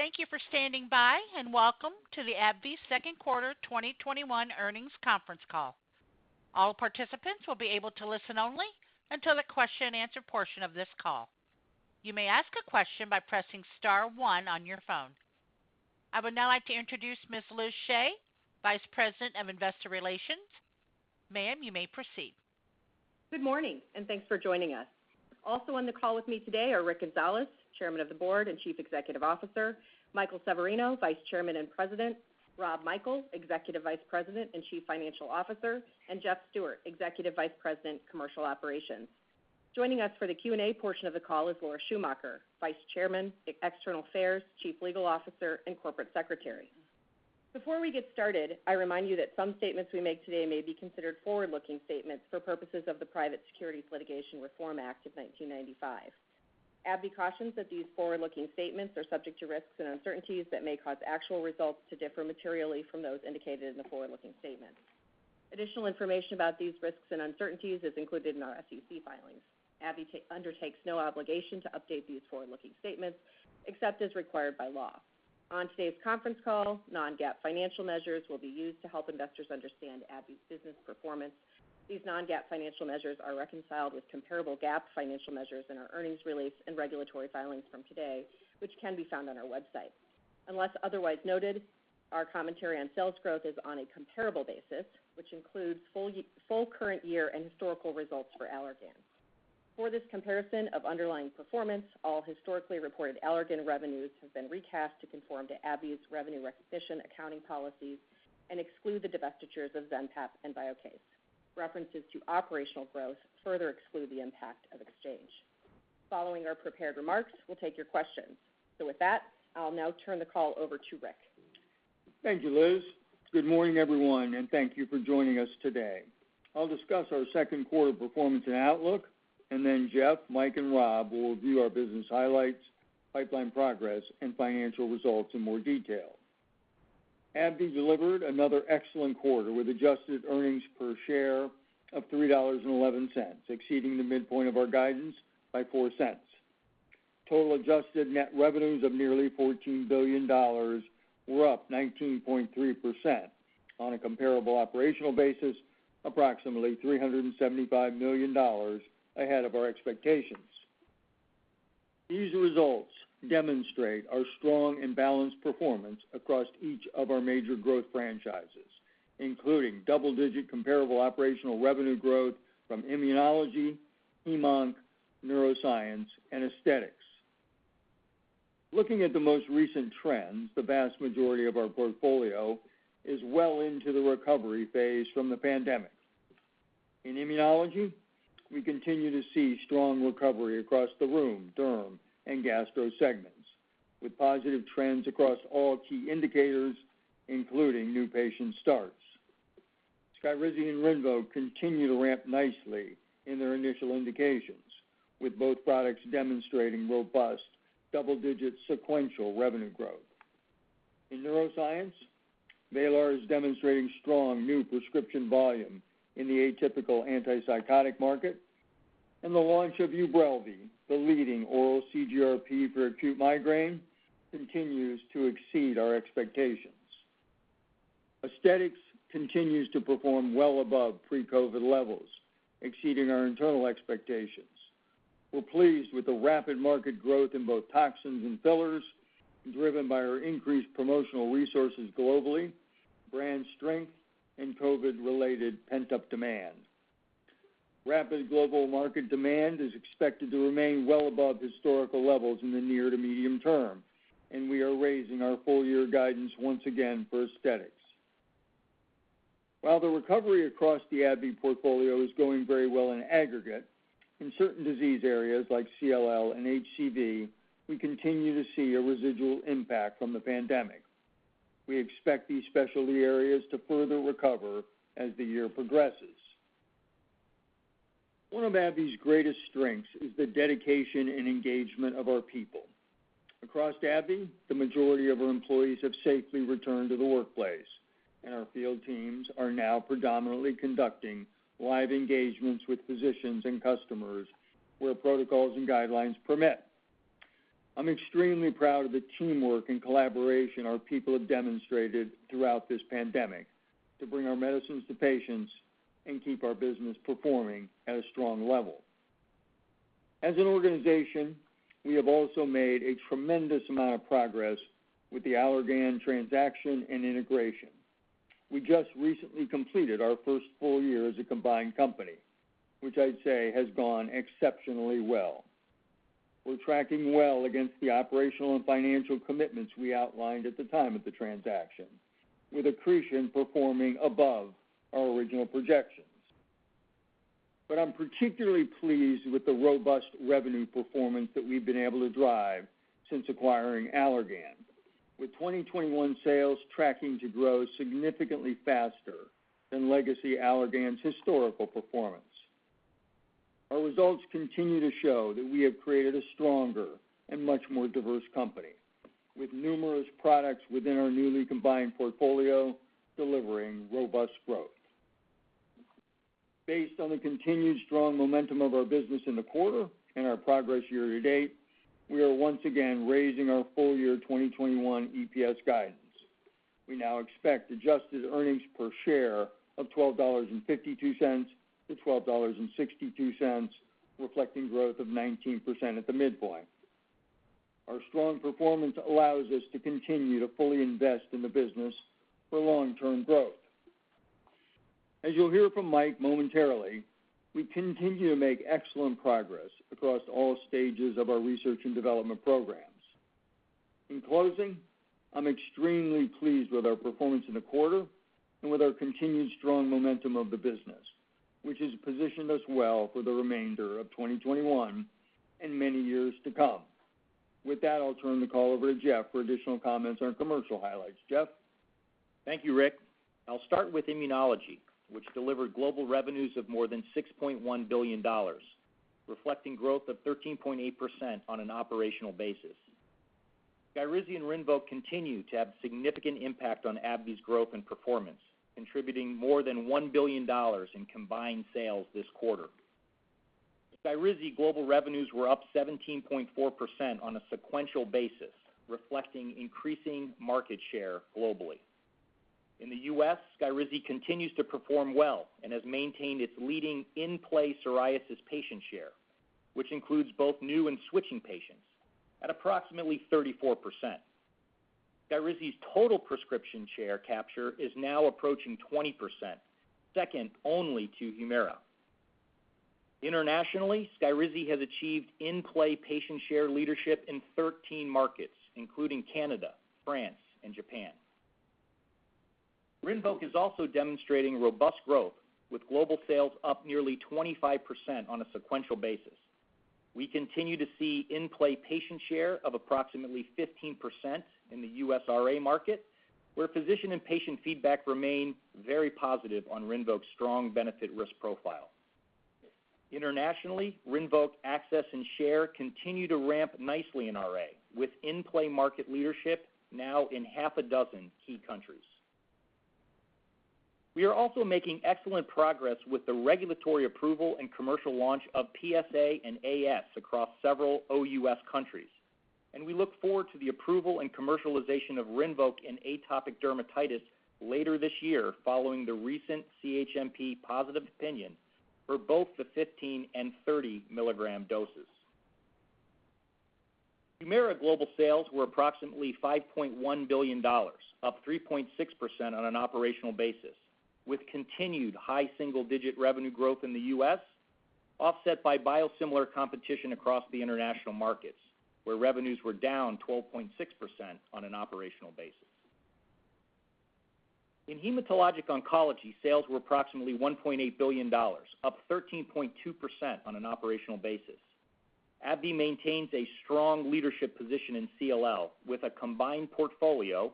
I would now like to introduce Ms. Liz Shea, Vice President of Investor Relations. Ma'am, you may proceed. Good morning, and thanks for joining us. Also on the call with me today are Rick Gonzalez, Chairman of the Board and Chief Executive Officer, Michael Severino, Vice Chairman and President, Rob Michael, Executive Vice President and Chief Financial Officer, and Jeff Stewart, Executive Vice President, Commercial Operations. Joining us for the Q&A portion of the call is Laura Schumacher, Vice Chairman, External Affairs, Chief Legal Officer, and Corporate Secretary. Before we get started, I remind you that some statements we make today may be considered forward-looking statements for purposes of the Private Securities Litigation Reform Act of 1995. AbbVie cautions that these forward-looking statements are subject to risks and uncertainties that may cause actual results to differ materially from those indicated in the forward-looking statements. Additional information about these risks and uncertainties is included in our SEC filings. AbbVie undertakes no obligation to update these forward-looking statements except as required by law. On today's conference call, non-GAAP financial measures will be used to help investors understand AbbVie's business performance. These non-GAAP financial measures are reconciled with comparable GAAP financial measures in our earnings release and regulatory filings from today, which can be found on our website. Unless otherwise noted, our commentary on sales growth is on a comparable basis, which includes full current year and historical results for Allergan. For this comparison of underlying performance, all historically reported Allergan revenues have been recast to conform to AbbVie's revenue recognition accounting policies and exclude the divestitures of Zenpep and Viokace. References to operational growth further exclude the impact of exchange. Following our prepared remarks, we'll take your questions. With that, I'll now turn the call over to Rick. Thank you, Liz. Good morning, everyone, and thank you for joining us today. I'll discuss our second quarter performance and outlook, and then Jeff, Mike, and Rob will review our business highlights, pipeline progress, and financial results in more detail. AbbVie delivered another excellent quarter with adjusted earnings per share of $3.11, exceeding the midpoint of our guidance by $0.04. Total adjusted net revenues of nearly $14 billion were up 19.3% on a comparable operational basis, approximately $375 million ahead of our expectations. These results demonstrate our strong and balanced performance across each of our major growth franchises, including double-digit comparable operational revenue growth from immunology, HemOnc, neuroscience, and aesthetics. Looking at the most recent trends, the vast majority of our portfolio is well into the recovery phase from the pandemic. In immunology, we continue to see strong recovery across the rheum, derm, and gastro segments with positive trends across all key indicators, including new patient starts. SKYRIZI and RINVOQ continue to ramp nicely in their initial indications, with both products demonstrating robust double-digit sequential revenue growth. In neuroscience, VRAYLAR is demonstrating strong new prescription volume in the atypical antipsychotic market, and the launch of Ubrelvy, the leading oral CGRP for acute migraine, continues to exceed our expectations. Aesthetics continues to perform well above pre-COVID levels, exceeding our internal expectations. We're pleased with the rapid market growth in both toxins and fillers driven by our increased promotional resources globally, brand strength, and COVID-related pent-up demand. Rapid global market demand is expected to remain well above historical levels in the near to medium term, and we are raising our full year guidance once again for aesthetics. While the recovery across the AbbVie portfolio is going very well in aggregate, in certain disease areas like CLL and HCV, we continue to see a residual impact from the pandemic. We expect these specialty areas to further recover as the year progresses. One of AbbVie's greatest strengths is the dedication and engagement of our people. Across AbbVie, the majority of our employees have safely returned to the workplace, and our field teams are now predominantly conducting live engagements with physicians and customers where protocols and guidelines permit. I'm extremely proud of the teamwork and collaboration our people have demonstrated throughout this pandemic to bring our medicines to patients and keep our business performing at a strong level. As an organization, we have also made a tremendous amount of progress with the Allergan transaction and integration. We just recently completed our first full year as a combined company, which I'd say has gone exceptionally well. We're tracking well against the operational and financial commitments we outlined at the time of the transaction, with accretion performing above our original projections. I'm particularly pleased with the robust revenue performance that we've been able to drive since acquiring Allergan, with 2021 sales tracking to grow significantly faster than legacy Allergan's historical performance. Our results continue to show that we have created a stronger and much more diverse company with numerous products within our newly combined portfolio delivering robust growth. Based on the continued strong momentum of our business in the quarter and our progress year to date, we are once again raising our full year 2021 EPS guidance. We now expect adjusted earnings per share of $12.52 to $12.62, reflecting growth of 19% at the midpoint. Our strong performance allows us to continue to fully invest in the business for long-term growth. As you'll hear from Mike momentarily, we continue to make excellent progress across all stages of our research and development programs. In closing, I'm extremely pleased with our performance in the quarter and with our continued strong momentum of the business, which has positioned us well for the remainder of 2021 and many years to come. With that, I'll turn the call over to Jeff for additional comments on commercial highlights. Jeff? Thank you, Rick. I'll start with immunology, which delivered global revenues of more than $6.1 billion, reflecting growth of 13.8% on an operational basis. SKYRIZI and RINVOQ continue to have significant impact on AbbVie's growth and performance, contributing more than $1 billion in combined sales this quarter. SKYRIZI global revenues were up 17.4% on a sequential basis, reflecting increasing market share globally. In the U.S., SKYRIZI continues to perform well and has maintained its leading in-play psoriasis patient share, which includes both new and switching patients at approximately 34%. SKYRIZI's total prescription share capture is now approaching 20%, second only to HUMIRA. Internationally, SKYRIZI has achieved in-play patient share leadership in 13 markets, including Canada, France, and Japan. RINVOQ is also demonstrating robust growth with global sales up nearly 25% on a sequential basis. We continue to see in-play patient share of approximately 15% in the U.S. RA market, where physician and patient feedback remain very positive on RINVOQ's strong benefit risk profile. Internationally, RINVOQ access and share continue to ramp nicely in RA, with in-play market leadership now in half a dozen key countries. We are also making excellent progress with the regulatory approval and commercial launch of PsA and AS across several OUS countries. We look forward to the approval and commercialization of RINVOQ in atopic dermatitis later this year, following the recent CHMP positive opinion for both the 15 and 30 milligram doses. HUMIRA global sales were approximately $5.1 billion, up 3.6% on an operational basis, with continued high single-digit revenue growth in the U.S. offset by biosimilar competition across the international markets, where revenues were down 12.6% on an operational basis. In hematologic oncology, sales were approximately $1.8 billion, up 13.2% on an operational basis. AbbVie maintains a strong leadership position in CLL with a combined portfolio,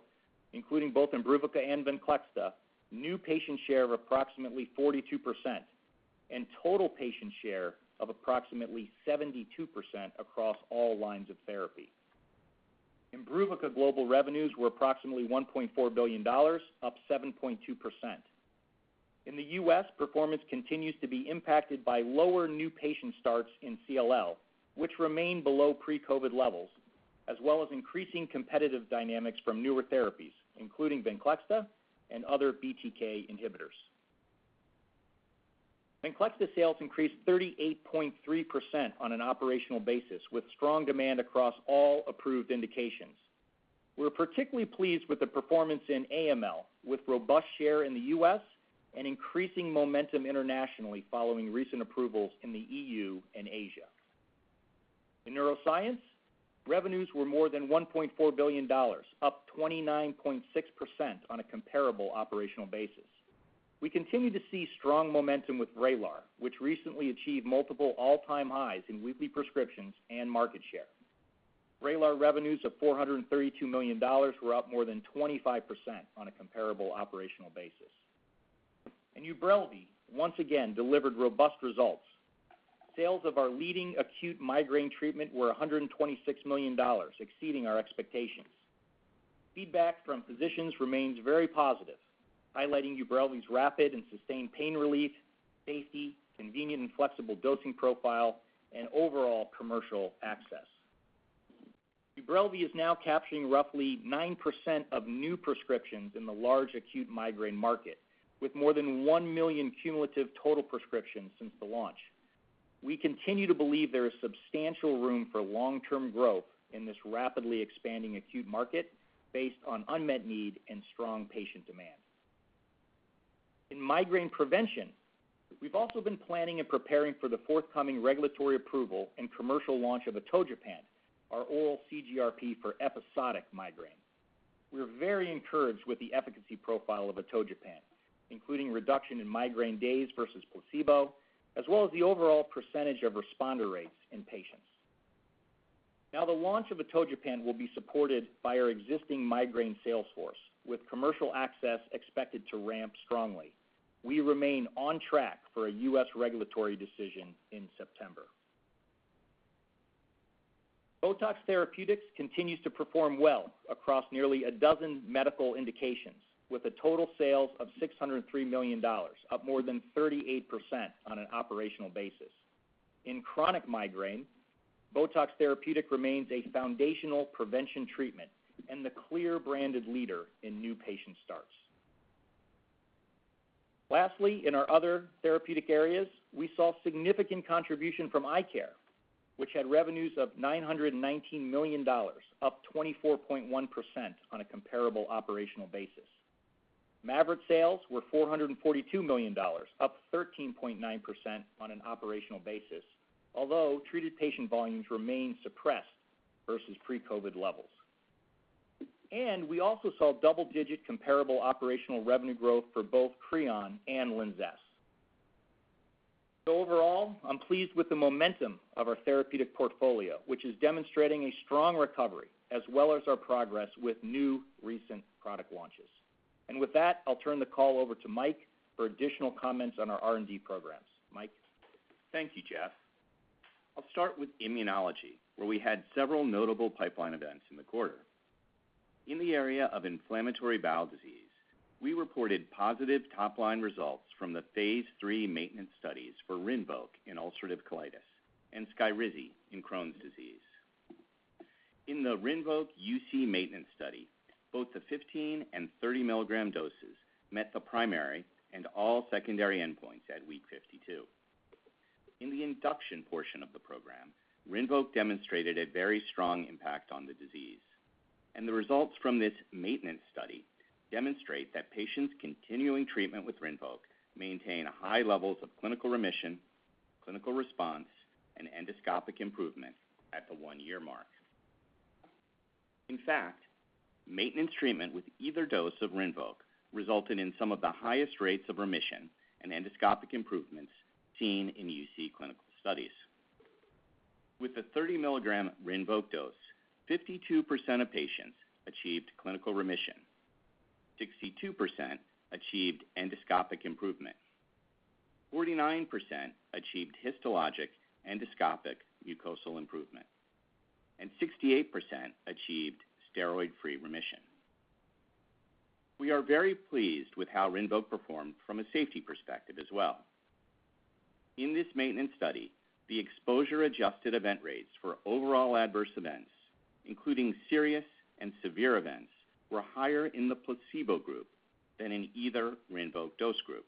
including both IMBRUVICA and VENCLEXTA, new patient share of approximately 42%, and total patient share of approximately 72% across all lines of therapy. IMBRUVICA global revenues were approximately $1.4 billion, up 7.2%. In the U.S., performance continues to be impacted by lower new patient starts in CLL, which remain below pre-COVID levels, as well as increasing competitive dynamics from newer therapies, including VENCLEXTA and other BTK inhibitors. VENCLEXTA sales increased 38.3% on an operational basis, with strong demand across all approved indications. We're particularly pleased with the performance in AML, with robust share in the U.S. and increasing momentum internationally following recent approvals in the E.U. and Asia. In neuroscience, revenues were more than $1.4 billion, up 29.6% on a comparable operational basis. We continue to see strong momentum with VRAYLAR, which recently achieved multiple all-time highs in weekly prescriptions and market share. VRAYLAR revenues of $432 million were up more than 25% on a comparable operational basis. Ubrelvy, once again, delivered robust results. Sales of our leading acute migraine treatment were $126 million, exceeding our expectations. Feedback from physicians remains very positive, highlighting Ubrelvy's rapid and sustained pain relief, safety, convenient and flexible dosing profile, and overall commercial access. Ubrelvy is now capturing roughly 9% of new prescriptions in the large acute migraine market, with more than 1 million cumulative total prescriptions since the launch. We continue to believe there is substantial room for long-term growth in this rapidly expanding acute market based on unmet need and strong patient demand. In migraine prevention, we've also been planning and preparing for the forthcoming regulatory approval and commercial launch of atogepant, our oral CGRP for episodic migraine. We are very encouraged with the efficacy profile of atogepant, including reduction in migraine days versus placebo, as well as the overall % of responder rates in patients. The launch of atogepant will be supported by our existing migraine sales force, with commercial access expected to ramp strongly. We remain on track for a U.S. regulatory decision in September. BOTOX Therapeutic continues to perform well across nearly 12 medical indications, with a total sales of $603 million, up more than 38% on an operational basis. In chronic migraine, BOTOX Therapeutic remains a foundational prevention treatment and the clear branded leader in new patient starts. Lastly, in our other therapeutic areas, we saw significant contribution from eye care, which had revenues of $919 million, up 24.1% on a comparable operational basis. MAVYRET sales were $442 million, up 13.9% on an operational basis, although treated patient volumes remain suppressed versus pre-COVID levels. We also saw double-digit comparable operational revenue growth for both CREON and LINZESS. Overall, I'm pleased with the momentum of our therapeutic portfolio, which is demonstrating a strong recovery, as well as our progress with new recent product launches. With that, I'll turn the call over to Mike for additional comments on our R&D programs. Mike? Thank you, Jeff. I'll start with immunology, where we had several notable pipeline events in the quarter. In the area of inflammatory bowel disease, we reported positive top-line results from the phase III maintenance studies for RINVOQ in ulcerative colitis and SKYRIZI in Crohn's disease. In the RINVOQ UC maintenance study, both the 15 and 30 milligram doses met the primary and all secondary endpoints at week 52. In the induction portion of the program, RINVOQ demonstrated a very strong impact on the disease, and the results from this maintenance study demonstrate that patients continuing treatment with RINVOQ maintain high levels of clinical remission, clinical response, and endoscopic improvement at the one-year mark. In fact, maintenance treatment with either dose of RINVOQ resulted in some of the highest rates of remission and endoscopic improvements seen in UC clinical studies. With the 30-milligram RINVOQ dose, 52% of patients achieved clinical remission, 62% achieved endoscopic improvement, 49% achieved histologic endoscopic mucosal improvement, and 68% achieved steroid-free remission. We are very pleased with how RINVOQ performed from a safety perspective as well. In this maintenance study, the exposure-adjusted event rates for overall adverse events, including serious and severe events, were higher in the placebo group than in either RINVOQ dose group.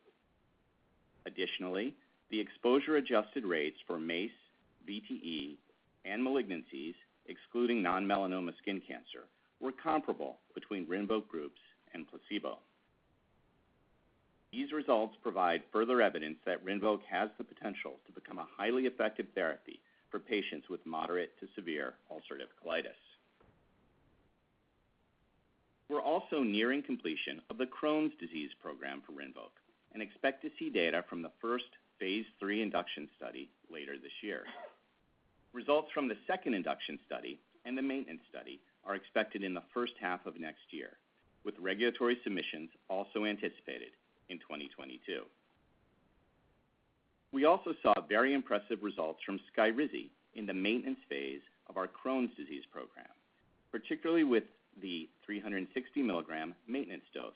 Additionally, the exposure-adjusted rates for MACE, VTE, and malignancies, excluding non-melanoma skin cancer, were comparable between RINVOQ groups and placebo. These results provide further evidence that RINVOQ has the potential to become a highly effective therapy for patients with moderate to severe ulcerative colitis. We're also nearing completion of the Crohn's disease program for RINVOQ and expect to see data from the first phase III induction study later this year. Results from the second induction study and the maintenance study are expected in the first half of next year, with regulatory submissions also anticipated in 2022. We also saw very impressive results from SKYRIZI in the maintenance phase of our Crohn's disease program, particularly with the 360-milligram maintenance dose,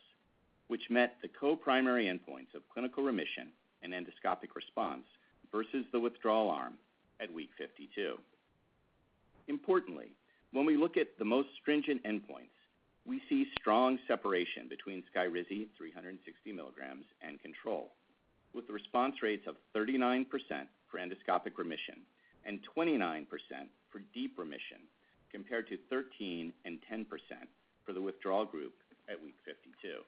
which met the co-primary endpoints of clinical remission and endoscopic response versus the withdrawal arm at week 52. Importantly, when we look at the most stringent endpoints, we see strong separation between SKYRIZI 360 milligrams and control, with response rates of 39% for endoscopic remission and 29% for deep remission compared to 13% and 10% for the withdrawal group at week 52.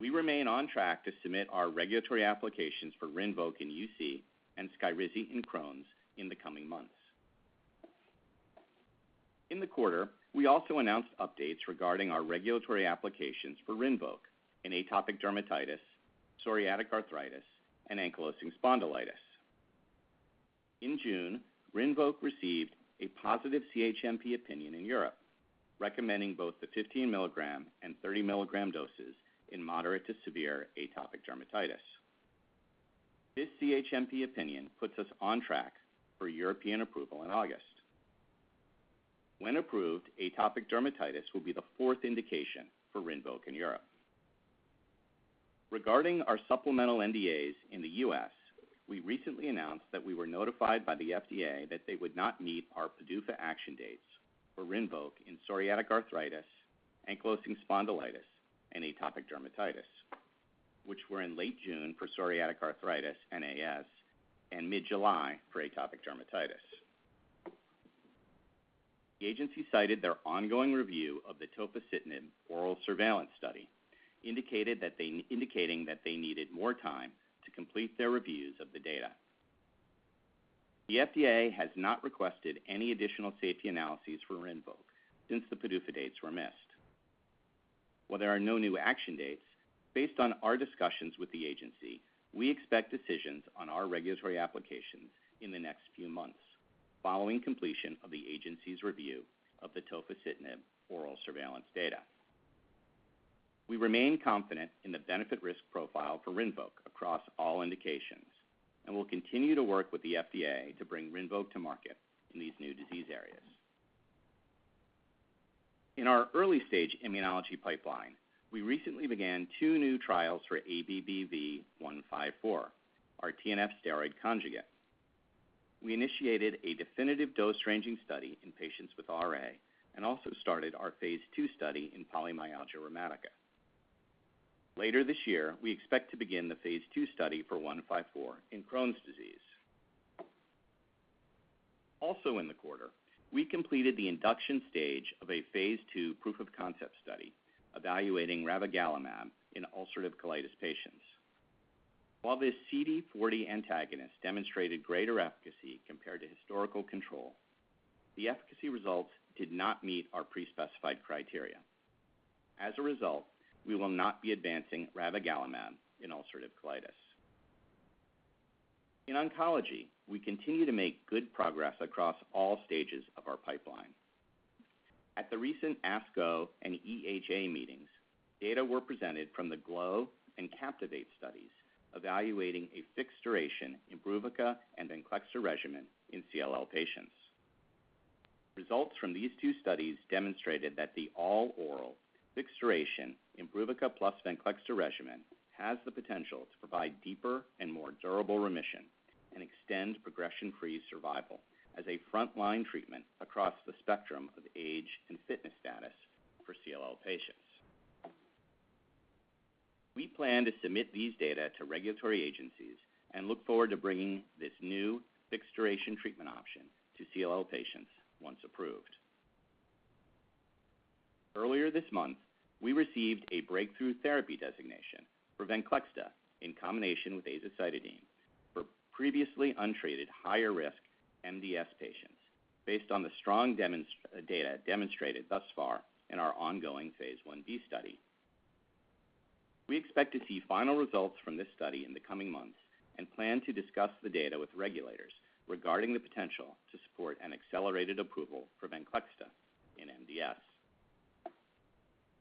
We remain on track to submit our regulatory applications for RINVOQ in UC and SKYRIZI in Crohn's in the coming months. In the quarter, we also announced updates regarding our regulatory applications for RINVOQ in atopic dermatitis, psoriatic arthritis, and ankylosing spondylitis. In June, RINVOQ received a positive CHMP opinion in Europe, recommending both the 15-milligram and 30-milligram doses in moderate to severe atopic dermatitis. This CHMP opinion puts us on track for European approval in August. When approved, atopic dermatitis will be the fourth indication for RINVOQ in Europe. Regarding our supplemental NDAs in the U.S., we recently announced that we were notified by the FDA that they would not meet our PDUFA action dates for RINVOQ in psoriatic arthritis, ankylosing spondylitis, and atopic dermatitis, which were in late June for psoriatic arthritis and AS and mid-July for atopic dermatitis. The agency cited their ongoing review of the tofacitinib ORAL Surveillance study, indicating that they needed more time to complete their reviews of the data. The FDA has not requested any additional safety analyses for RINVOQ since the PDUFA dates were missed. While there are no new action dates, based on our discussions with the agency, we expect decisions on our regulatory applications in the next few months following completion of the agency's review of the tofacitinib ORAL Surveillance data. We remain confident in the benefit-risk profile for RINVOQ across all indications. We'll continue to work with the FDA to bring RINVOQ to market in these new disease areas. In our early-stage immunology pipeline, we recently began two new trials for ABBV-154, our TNF-steroid conjugate. We initiated a definitive dose-ranging study in patients with RA. Also started our phase II study in polymyalgia rheumatica. Later this year, we expect to begin the phase II study for 154 in Crohn's disease. Also in the quarter, we completed the induction stage of a phase II proof-of-concept study evaluating ravagalimab in ulcerative colitis patients. While this CD40 antagonist demonstrated greater efficacy compared to historical control, the efficacy results did not meet our pre-specified criteria. As a result, we will not be advancing ravagalimab in ulcerative colitis. In oncology, we continue to make good progress across all stages of our pipeline. At the recent ASCO and EHA meetings, data were presented from the GLOW and CAPTIVATE studies evaluating a fixed-duration IMBRUVICA and VENCLEXTA regimen in CLL patients. Results from these two studies demonstrated that the all-oral, fixed-duration IMBRUVICA plus VENCLEXTA regimen has the potential to provide deeper and more durable remission and extend progression-free survival as a frontline treatment across the spectrum of age and fitness status for CLL patients. We plan to submit these data to regulatory agencies and look forward to bringing this new fixed-duration treatment option to CLL patients once approved. Earlier this month, we received a breakthrough therapy designation for VENCLEXTA in combination with azacitidine for previously untreated higher-risk MDS patients based on the strong data demonstrated thus far in our ongoing Phase I-B study. We expect to see final results from this study in the coming months and plan to discuss the data with regulators regarding the potential to support an accelerated approval for VENCLEXTA in MDS.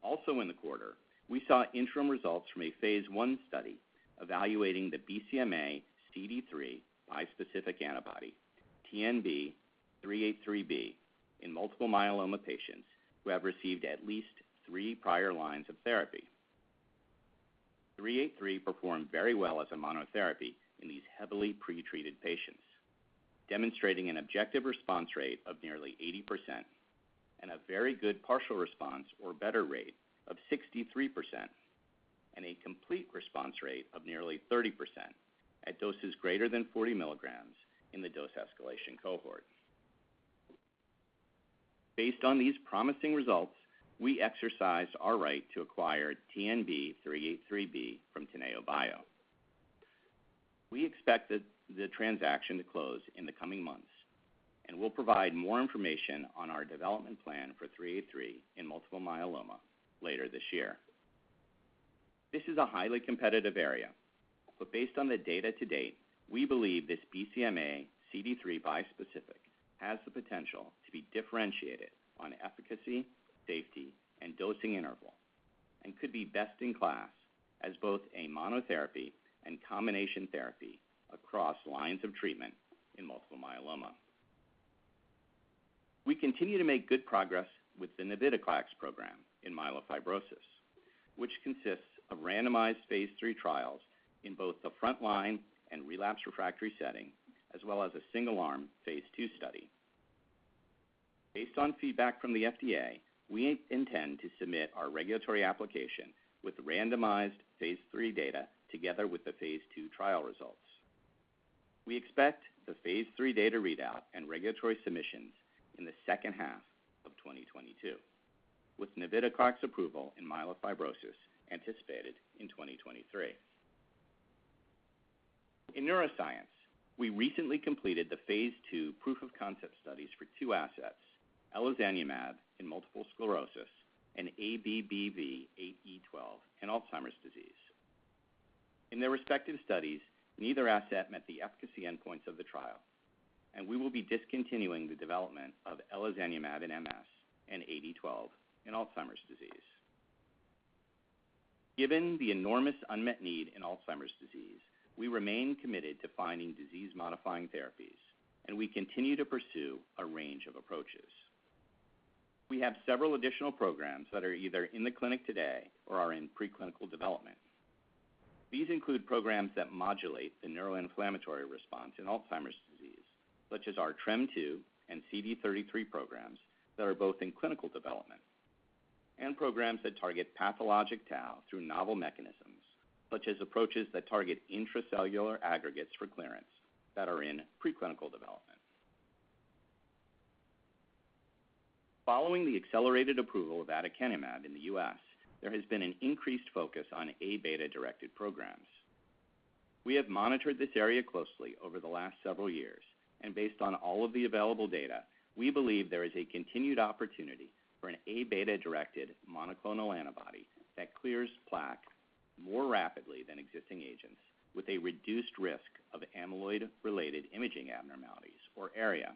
Also in the quarter, we saw interim results from a Phase I study evaluating the BCMA/CD3 bispecific antibody TNB-383B in multiple myeloma patients who have received at least three prior lines of therapy. 383 performed very well as a monotherapy in these heavily pretreated patients, demonstrating an objective response rate of nearly 80% and a very good partial response or better rate of 63%, and a complete response rate of nearly 30% at doses greater than 40 milligrams in the dose escalation cohort. Based on these promising results, we exercised our right to acquire TNB-383B from Teneobio. We expect the transaction to close in the coming months, and we'll provide more information on our development plan for 383 in multiple myeloma later this year. This is a highly competitive area, but based on the data to date, we believe this BCMA/CD3 bispecific has the potential to be differentiated on efficacy, safety, and dosing interval, and could be best in class as both a monotherapy and combination therapy across lines of treatment in multiple myeloma. We continue to make good progress with the navitoclax program in myelofibrosis, which consists of randomized phase III trials in both the frontline and relapse/refractory setting, as well as a single-arm phase II study. Based on feedback from the FDA, we intend to submit our regulatory application with randomized phase III data together with the phase II trial results. We expect the phase III data readout and regulatory submissions in the second half of 2022, with navitoclax approval in myelofibrosis anticipated in 2023. In neuroscience, we recently completed the phase II proof-of-concept studies for two assets, elezanumab in multiple sclerosis and ABBV-8E12 in Alzheimer's disease. In their respective studies, neither asset met the efficacy endpoints of the trial, and we will be discontinuing the development of elezanumab in MS and 8E12 in Alzheimer's disease. Given the enormous unmet need in Alzheimer's disease, we remain committed to finding disease-modifying therapies, and we continue to pursue a range of approaches. We have several additional programs that are either in the clinic today or are in preclinical development. These include programs that modulate the neuroinflammatory response in Alzheimer's disease, such as our TREM2 and CD33 programs that are both in clinical development, and programs that target pathologic tau through novel mechanisms, such as approaches that target intracellular aggregates for clearance that are in preclinical development. Following the accelerated approval of aducanumab in the U.S., there has been an increased focus on A-beta-directed programs. We have monitored this area closely over the last several years, and based on all of the available data, we believe there is a continued opportunity for an A-beta-directed monoclonal antibody that clears plaque more rapidly than existing agents with a reduced risk of amyloid-related imaging abnormalities, or ARIA.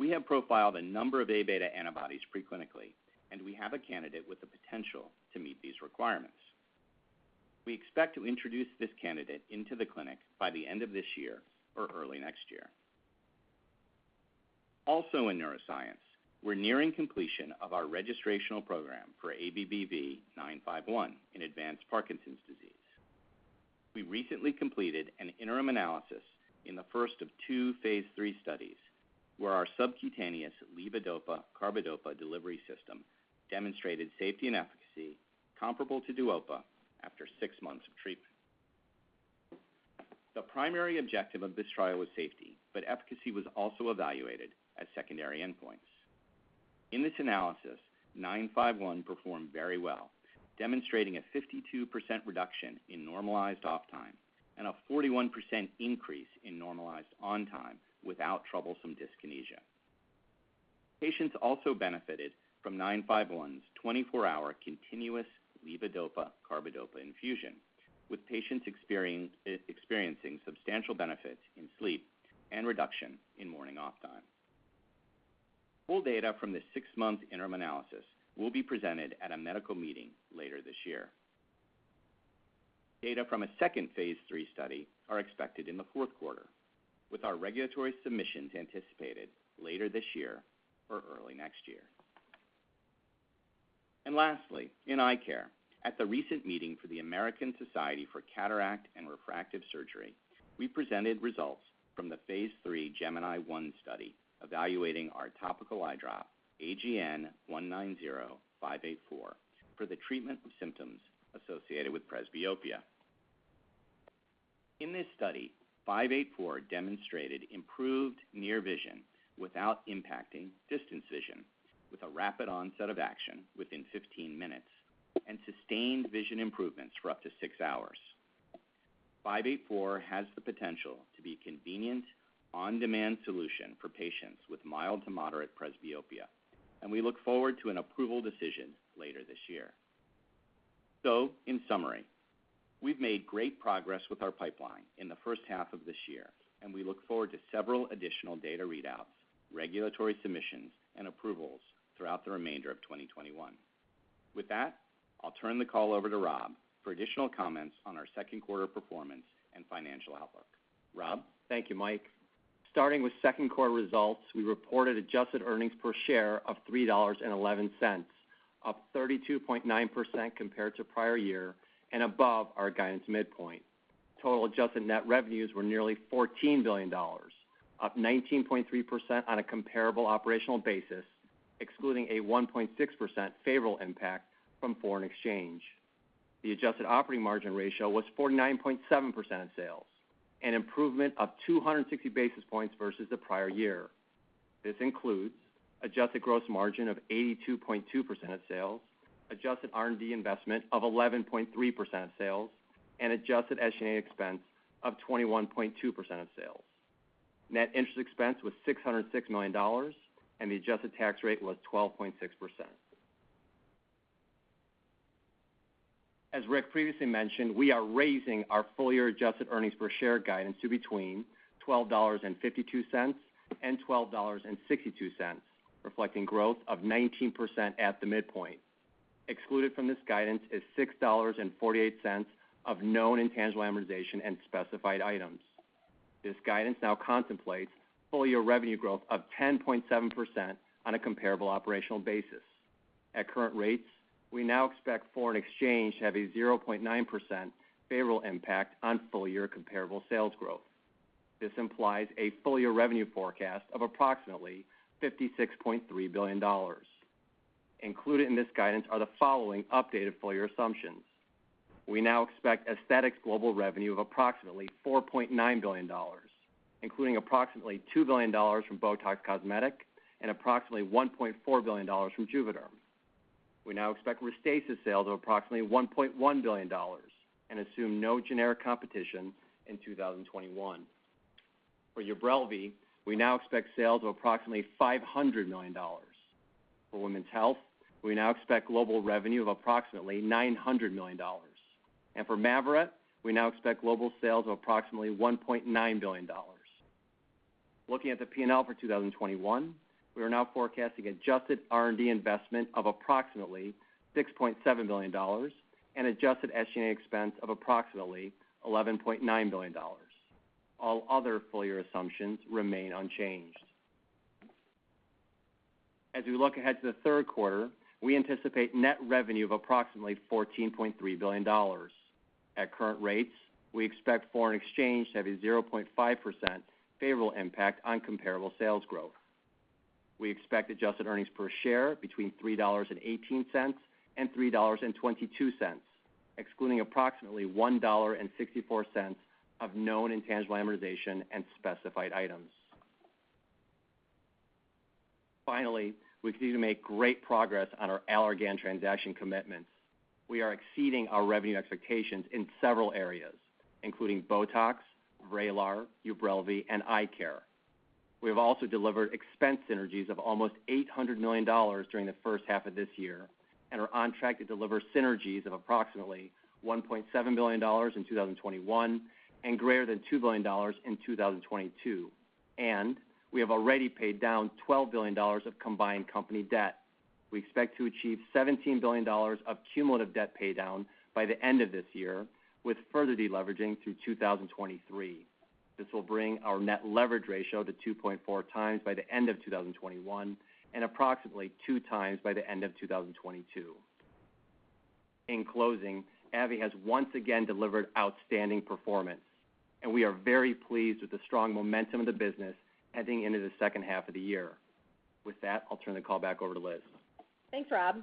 We have profiled a number of A-beta antibodies pre-clinically, and we have a candidate with the potential to meet these requirements. We expect to introduce this candidate into the clinic by the end of this year or early next year. Also in neuroscience, we're nearing completion of our registrational program for ABBV-951 in advanced Parkinson's disease. We recently completed an interim analysis in the first of two phase III studies where our subcutaneous levodopa carbidopa delivery system demonstrated safety and efficacy comparable to DUOPA after six months of treatment. The primary objective of this trial was safety, but efficacy was also evaluated as secondary endpoints. In this analysis, ABBV-951 performed very well, demonstrating a 52% reduction in normalized off time and a 41% increase in normalized on time without troublesome dyskinesia. Patients also benefited from ABBV-951's 24-hour continuous levodopa carbidopa infusion, with patients experiencing substantial benefits in sleep and reduction in morning off time. Full data from this 6-month interim analysis will be presented at a medical meeting later this year. Data from a second phase III study are expected in the fourth quarter, with our regulatory submissions anticipated later this year or early next year. Lastly, in eye care, at the recent meeting for the American Society of Cataract and Refractive Surgery, we presented results from the phase III GEMINI 1 study evaluating our topical eye drop, AGN-190584, for the treatment of symptoms associated with presbyopia. In this study, 584 demonstrated improved near vision without impacting distance vision, with a rapid onset of action within 15 minutes and sustained vision improvements for up to six hours. We look forward to an approval decision later this year. In summary, we've made great progress with our pipeline in the first half of this year, and we look forward to several additional data readouts, regulatory submissions, and approvals throughout the remainder of 2021. With that, I'll turn the call over to Rob for additional comments on our second quarter performance and financial outlook. Rob? Thank you, Mike. Starting with second quarter results, we reported adjusted earnings per share of $3.11, up 32.9% compared to prior year and above our guidance midpoint. Total adjusted net revenues were nearly $14 billion, up 19.3% on a comparable operational basis, excluding a 1.6% favorable impact from foreign exchange. The adjusted operating margin ratio was 49.7% of sales, an improvement of 260 basis points versus the prior year. This includes adjusted gross margin of 82.2% of sales, adjusted R&D investment of 11.3% of sales, and adjusted SG&A expense of 21.2% of sales. Net interest expense was $606 million, and the adjusted tax rate was 12.6%. As Rick previously mentioned, we are raising our full-year adjusted earnings per share guidance to between $12.52 and $12.62, reflecting growth of 19% at the midpoint. Excluded from this guidance is $6.48 of known intangible amortization and specified items. This guidance now contemplates full-year revenue growth of 10.7% on a comparable operational basis. At current rates, we now expect foreign exchange to have a 0.9% favorable impact on full-year comparable sales growth. This implies a full-year revenue forecast of approximately $56.3 billion. Included in this guidance are the following updated full-year assumptions. We now expect Aesthetics global revenue of approximately $4.9 billion, including approximately $2 billion from BOTOX Cosmetic and approximately $1.4 billion from JUVÉDERM. We now expect RESTASIS sales of approximately $1.1 billion and assume no generic competition in 2021. For Ubrelvy, we now expect sales of approximately $500 million. For Women's Health, we now expect global revenue of approximately $900 million. For MAVYRET, we now expect global sales of approximately $1.9 billion. Looking at the P&L for 2021, we are now forecasting adjusted R&D investment of approximately $6.7 billion and adjusted SG&A expense of approximately $11.9 billion. All other full-year assumptions remain unchanged. As we look ahead to the third quarter, we anticipate net revenue of approximately $14.3 billion. At current rates, we expect foreign exchange to have a 0.5% favorable impact on comparable sales growth. We expect adjusted earnings per share between $3.18 and $3.22, excluding approximately $1.64 of known intangible amortization and specified items. We continue to make great progress on our Allergan transaction commitments. We are exceeding our revenue expectations in several areas, including BOTOX, VRAYLAR, Ubrelvy, and eye care. We have also delivered expense synergies of almost $800 million during the first half of this year. Are on track to deliver synergies of approximately $1.7 billion in 2021 and greater than $2 billion in 2022. We have already paid down $12 billion of combined company debt. We expect to achieve $17 billion of cumulative debt paydown by the end of this year, with further deleveraging through 2023. This will bring our net leverage ratio to 2.4 times by the end of 2021 and approximately 2 times by the end of 2022. In closing, AbbVie has once again delivered outstanding performance, and we are very pleased with the strong momentum of the business heading into the second half of the year. With that, I'll turn the call back over to Liz. Thanks, Rob.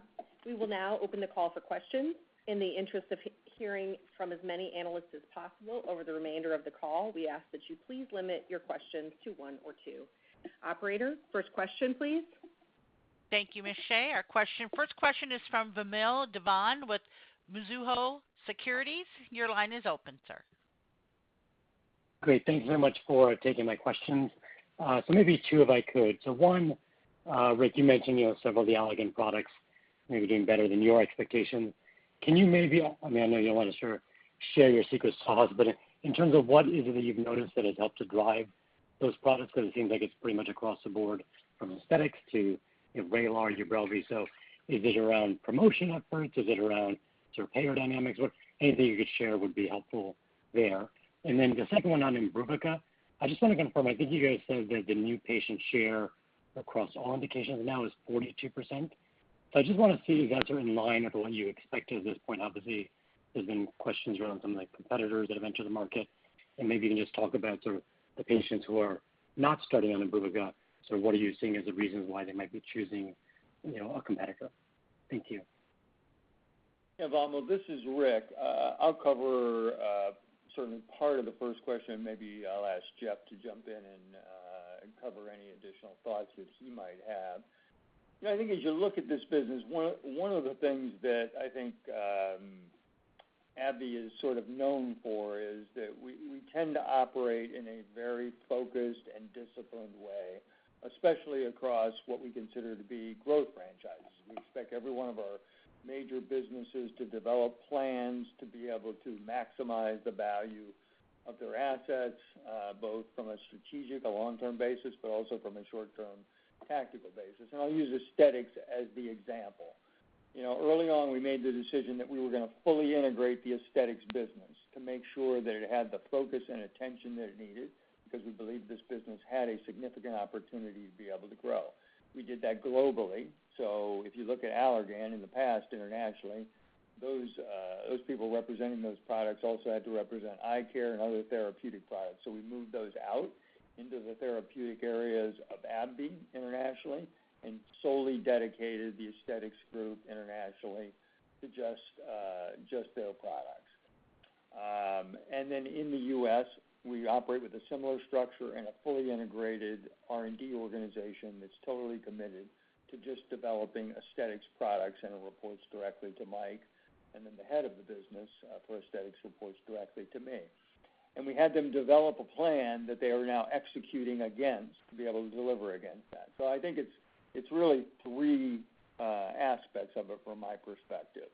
We will now open the call for questions. In the interest of hearing from as many analysts as possible over the remainder of the call, we ask that you please limit your questions to one or two. Operator, first question, please. Thank you, Ms. Shea. Our first question is from Vamil Divan with Mizuho Securities. Your line is open, sir. Great. Thank you very much for taking my questions. Maybe two, if I could. One, Rick, you mentioned several of the Allergan products maybe doing better than your expectation. Can you maybe, I know you don't want to share your secret sauce, but in terms of what is it that you've noticed that has helped to drive those products? It seems like it's pretty much across the board from aesthetics to VRAYLAR and Ubrelvy. Is it around promotion efforts? Is it around payer dynamics? Anything you could share would be helpful there. The second one on IMBRUVICA, I just want to confirm, I think you guys said that the new patient share across all indications now is 42%. I just want to see if that's in line with what you expected at this point. Obviously, there's been questions around some of the competitors that have entered the market, and maybe you can just talk about sort of the patients who are not starting on IMBRUVICA. What are you seeing as the reasons why they might be choosing a competitor? Thank you. Yeah, Vamil, this is Rick. I'll cover certainly part of the first question, and maybe I'll ask Jeff to jump in and cover any additional thoughts which he might have. I think as you look at this business, one of the things that I think AbbVie is sort of known for is that we tend to operate in a very focused and disciplined way, especially across what we consider to be growth franchises. We expect every one of our major businesses to develop plans to be able to maximize the value of their assets, both from a strategic, a long-term basis, but also from a short-term tactical basis. I'll use aesthetics as the example. Early on, we made the decision that we were going to fully integrate the aesthetics business to make sure that it had the focus and attention that it needed because we believed this business had a significant opportunity to be able to grow. We did that globally. If you look at Allergan in the past internationally, those people representing those products also had to represent eye care and other therapeutic products. We moved those out into the therapeutic areas of AbbVie internationally and solely dedicated the aesthetics group internationally to just their products. In the U.S., we operate with a similar structure and a fully integrated R&D organization that's totally committed to just developing aesthetics products, and it reports directly to Mike, and then the head of the business for aesthetics reports directly to me. We had them develop a plan that they are now executing against to be able to deliver against that. I think it's really three aspects of it from my perspective.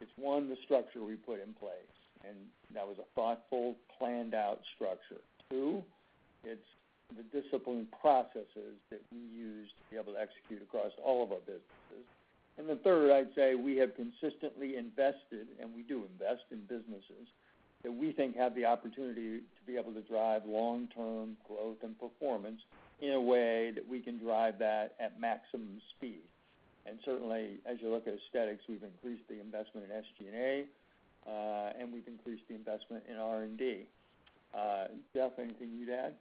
It's one, the structure we put in place, and that was a thoughtful, planned-out structure. Two, it's the disciplined processes that we use to be able to execute across all of our businesses. Third, I'd say we have consistently invested, and we do invest in businesses that we think have the opportunity to be able to drive long-term growth and performance in a way that we can drive that at maximum speed. Certainly, as you look at aesthetics, we've increased the investment in SG&A, and we've increased the investment in R&D. Jeff, anything you'd add?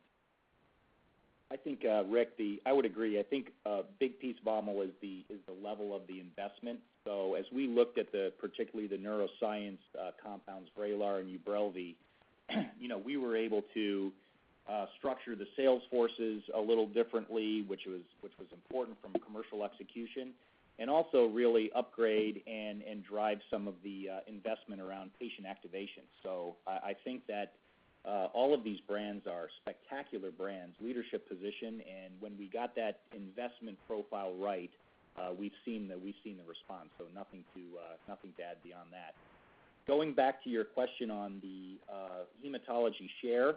I think, Rick, I would agree. I think a big piece, Vamil, is the level of the investment. As we looked at particularly the neuroscience compounds, VRAYLAR and Ubrelvy, we were able to structure the sales forces a little differently, which was important from a commercial execution, and also really upgrade and drive some of the investment around patient activation. I think that all of these brands are spectacular brands, leadership position and when we got that investment profile right, we've seen the response. Nothing to add beyond that. Going back to your question on the hematology share,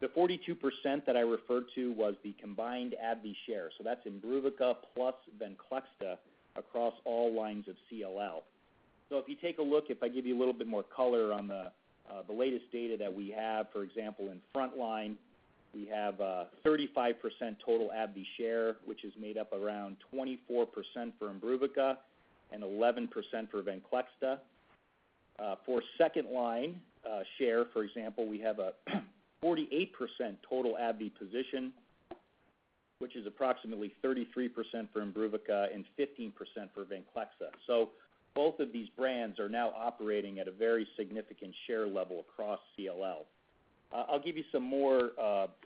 the 42% that I referred to was the combined AbbVie share. That's IMBRUVICA plus VENCLEXTA across all lines of CLL. If you take a look, if I give you a little bit more color on the latest data that we have, for example, in frontline, we have a 35% total AbbVie share, which is made up around 24% for IMBRUVICA and 11% for VENCLEXTA. For second-line share, for example, we have a 48% total AbbVie position, which is approximately 33% for IMBRUVICA and 15% for VENCLEXTA. Both of these brands are now operating at a very significant share level across CLL. I'll give you some more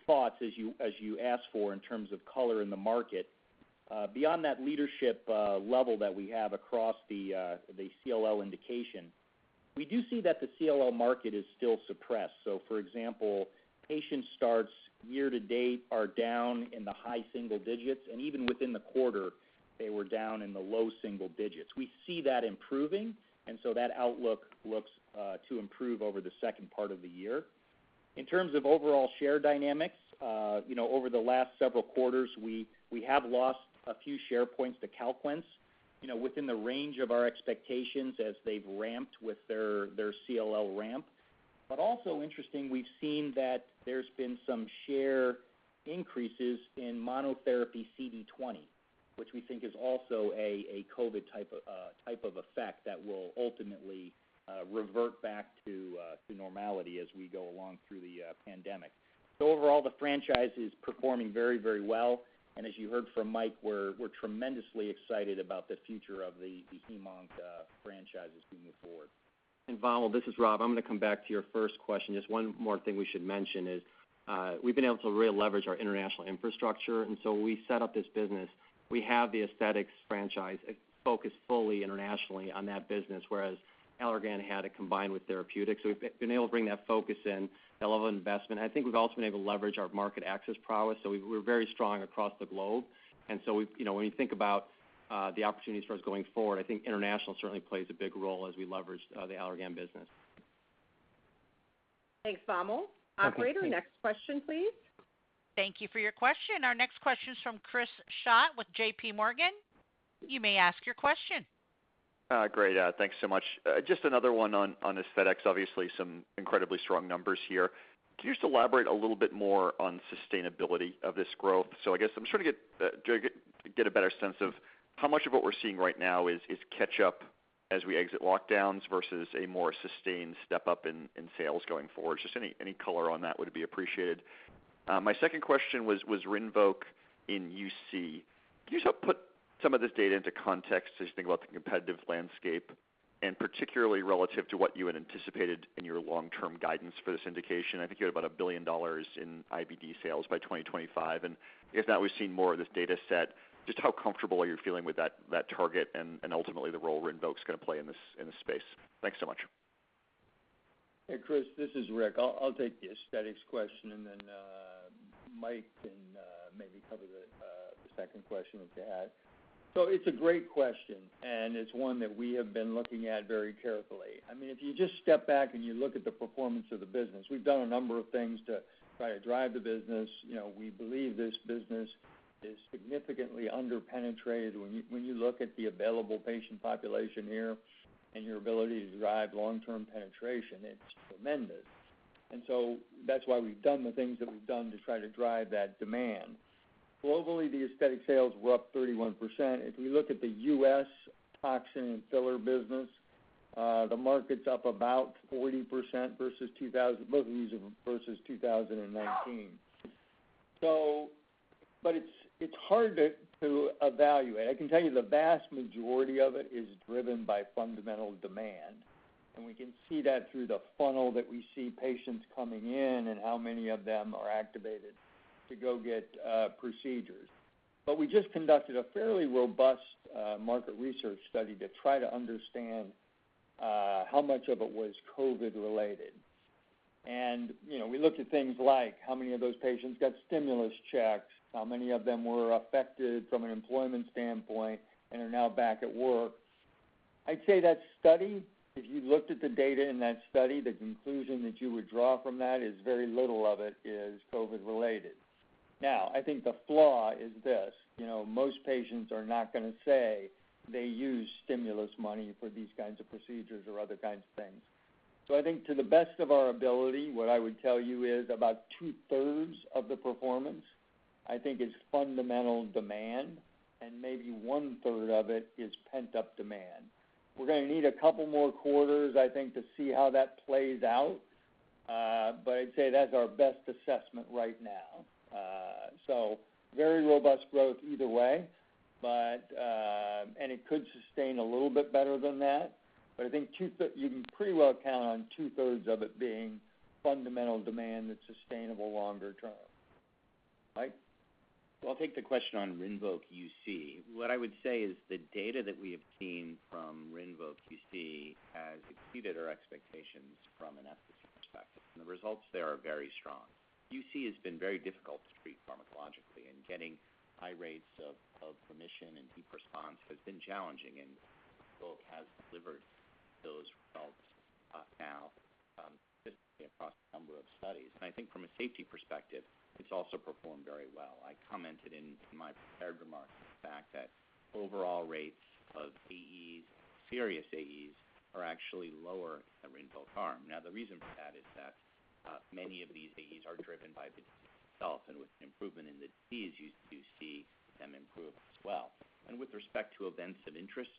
thoughts as you ask for in terms of color in the market. Beyond that leadership level that we have across the CLL indication. We do see that the CLL market is still suppressed. For example, patient starts year to date are down in the high single digits, and even within the quarter they were down in the low single digits. We see that improving, and so that outlook looks to improve over the second part of the year. In terms of overall share dynamics, over the last several quarters, we have lost a few share points to CALQUENCE within the range of our expectations as they've ramped with their CLL ramp. Also interesting, we've seen that there's been some share increases in monotherapy CD20, which we think is also a COVID type of effect that will ultimately revert back to normality as we go along through the pandemic. Overall, the franchise is performing very well, and as you heard from Michael Severino, we're tremendously excited about the future of the HemOnc franchises as we move forward. Vamil, this is Rob. I'm going to come back to your first question. Just one more thing we should mention is, we've been able to really leverage our international infrastructure. We set up this business, we have the aesthetics franchise focused fully internationally on that business, whereas Allergan had it combined with therapeutics. We've been able to bring that focus and level of investment. I think we've also been able to leverage our market access prowess. We're very strong across the globe. When you think about the opportunities for us going forward, I think international certainly plays a big role as we leverage the Allergan business. Thanks, Vamil. Operator, next question, please. Thank you for your question. Our next question is from Chris Schott with JPMorgan. You may ask your question. Great. Thanks so much. Just another one on Aesthetics. Obviously, some incredibly strong numbers here. Can you just elaborate a little bit more on sustainability of this growth? I guess I'm trying to get a better sense of how much of what we're seeing right now is catch up as we exit lockdowns versus a more sustained step up in sales going forward. Just any color on that would be appreciated. My second question was RINVOQ in UC. Can you just help put some of this data into context as you think about the competitive landscape and particularly relative to what you had anticipated in your long-term guidance for this indication? I think you had about $1 billion in IBD sales by 2025, if not, we've seen more of this data set. Just how comfortable are you feeling with that target and ultimately the role RINVOQ's going to play in this space? Thanks so much. Hey, Chris, this is Rick. I'll take the Aesthetics question. Mike can maybe cover the second question that you had. It's a great question, it's one that we have been looking at very carefully. If you just step back and you look at the performance of the business, we've done a number of things to try to drive the business. We believe this business is significantly under-penetrated. When you look at the available patient population here and your ability to drive long-term penetration, it's tremendous. That's why we've done the things that we've done to try to drive that demand. Globally, the aesthetic sales were up 31%. If we look at the U.S. toxin and filler business, the market's up about 40% versus 2019. It's hard to evaluate. I can tell you the vast majority of it is driven by fundamental demand, and we can see that through the funnel that we see patients coming in and how many of them are activated to go get procedures. We just conducted a fairly robust market research study to try to understand how much of it was COVID related. We looked at things like how many of those patients got stimulus checks, how many of them were affected from an employment standpoint and are now back at work. I'd say that study, if you looked at the data in that study, the conclusion that you would draw from that is very little of it is COVID related. I think the flaw is this, most patients are not going to say they use stimulus money for these kinds of procedures or other kinds of things. I think to the best of our ability, what I would tell you is about two-thirds of the performance, I think is fundamental demand and maybe one-third of it is pent-up demand. We're going to need a couple more quarters, I think, to see how that plays out. I'd say that's our best assessment right now. Very robust growth either way, and it could sustain a little bit better than that. I think you can pretty well count on two-thirds of it being fundamental demand that's sustainable longer term. Mike? I'll take the question on RINVOQ UC. What I would say is the data that we obtained from RINVOQ UC has exceeded our expectations from an efficacy perspective, and the results there are very strong. UC has been very difficult to treat pharmacologically, and getting high rates of remission and deep response has been challenging, and RINVOQ has delivered those results now consistently across a number of studies. I think from a safety perspective, it's also performed very well. I commented in my prepared remarks on the fact that overall rates of AEs, serious AEs, are actually lower than HUMIRA. The reason for that is that many of these AEs are driven by the disease itself, and with an improvement in the disease, you do see them improve as well. With respect to events of interest,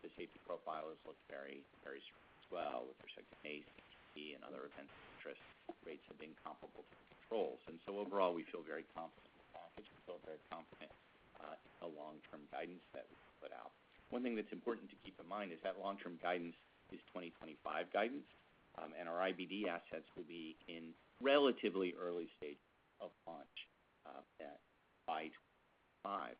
the safety profile has looked very strong as well with respect to MACE, VTE and other events of interest, rates have been comparable to controls. Overall, we feel very confident in the profile. We feel very confident in the long-term guidance that we put out. One thing that's important to keep in mind is that long-term guidance is 2025 guidance, and our IBD assets will be in relatively early stages of launch. By 2025.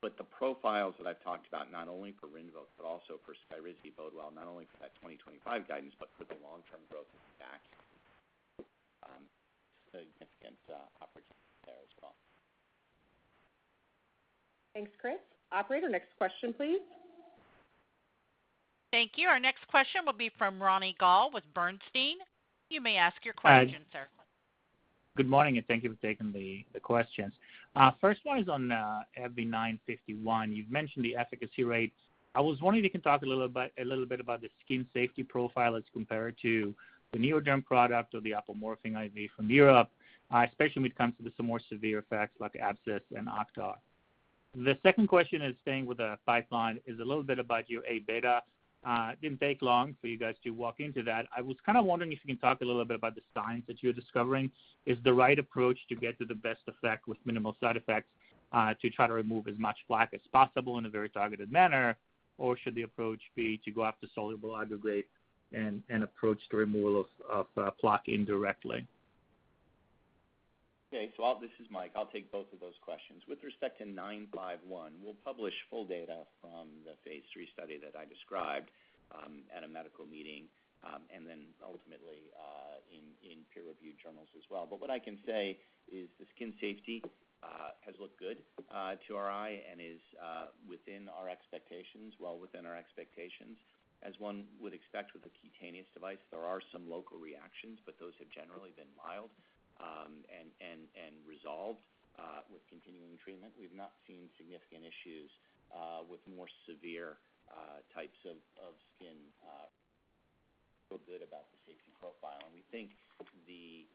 The profiles that I've talked about, not only for RINVOQ, but also for SKYRIZI, bode well not only for that 2025 guidance, but for the long-term growth of the stack. Significant opportunity there as well. Thanks, Chris. Operator, next question, please. Thank you. Our next question will be from Ronny Gal with Bernstein. You may ask your question, sir. Good morning. Thank you for taking the questions. First one is on ABBV-951. You've mentioned the efficacy rates. I was wondering if you can talk a little bit about the skin safety profile as compared to the NeoDerm product or the apomorphine IV from Europe, especially when it comes to some more severe effects like abscess and OCR. The second question is staying with the pipeline, is a little bit about your A-beta. It didn't take long for you guys to walk into that. I was kind of wondering if you can talk a little bit about the science that you're discovering. Is the right approach to get to the best effect with minimal side effects to try to remove as much plaque as possible in a very targeted manner? Should the approach be to go after soluble aggregates and approach the removal of plaque indirectly? This is Mike, I'll take both of those questions. With respect to ABBV-951, we'll publish full data from the phase III study that I described at a medical meeting, then ultimately, in peer-reviewed journals as well. What I can say is the skin safety has looked good to our eye and is within our expectations, well within our expectations. As one would expect with a cutaneous device, there are some local reactions, those have generally been mild, and resolved with continuing treatment. We've not seen significant issues with more severe types of skin. Feel good about the safety profile. We think the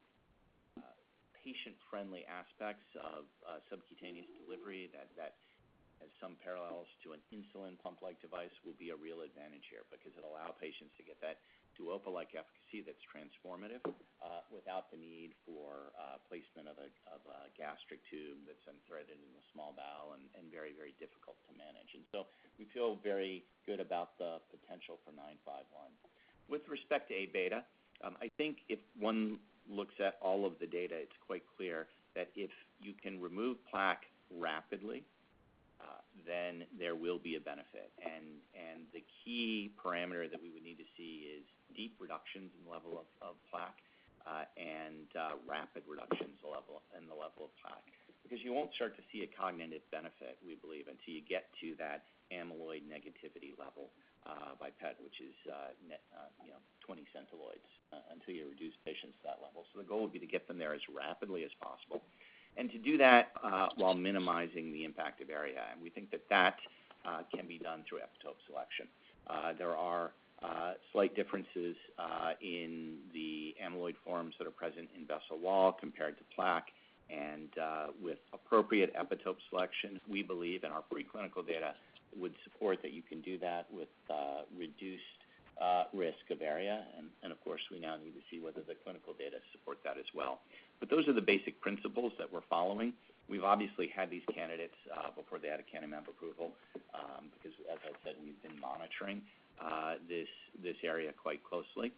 patient-friendly aspects of subcutaneous delivery that has some parallels to an insulin pump-like device will be a real advantage here because it'll allow patients to get that DUOPA-like efficacy that's transformative without the need for placement of a gastric tube that's then threaded in the small bowel and very, very difficult to manage. We feel very good about the potential for 951. With respect to A-beta, I think if one looks at all of the data, it's quite clear that if you can remove plaque rapidly, then there will be a benefit. The key parameter that we would need to see is deep reductions in level of plaque, and rapid reductions in the level of plaque. Because you won't start to see a cognitive benefit, we believe, until you get to that amyloid negativity level, by PET, which is 20 centiloids, until you reduce patients to that level. The goal would be to get them there as rapidly as possible and to do that while minimizing the impact of ARIA. We think that that can be done through epitope selection. There are slight differences in the amyloid forms that are present in vessel wall compared to plaque. With appropriate epitope selection, we believe, and our preclinical data would support that you can do that with reduced risk of ARIA. Of course, we now need to see whether the clinical data support that as well. Those are the basic principles that we're following. We've obviously had these candidates before the aducanumab approval, because as I said, we've been monitoring this area quite closely.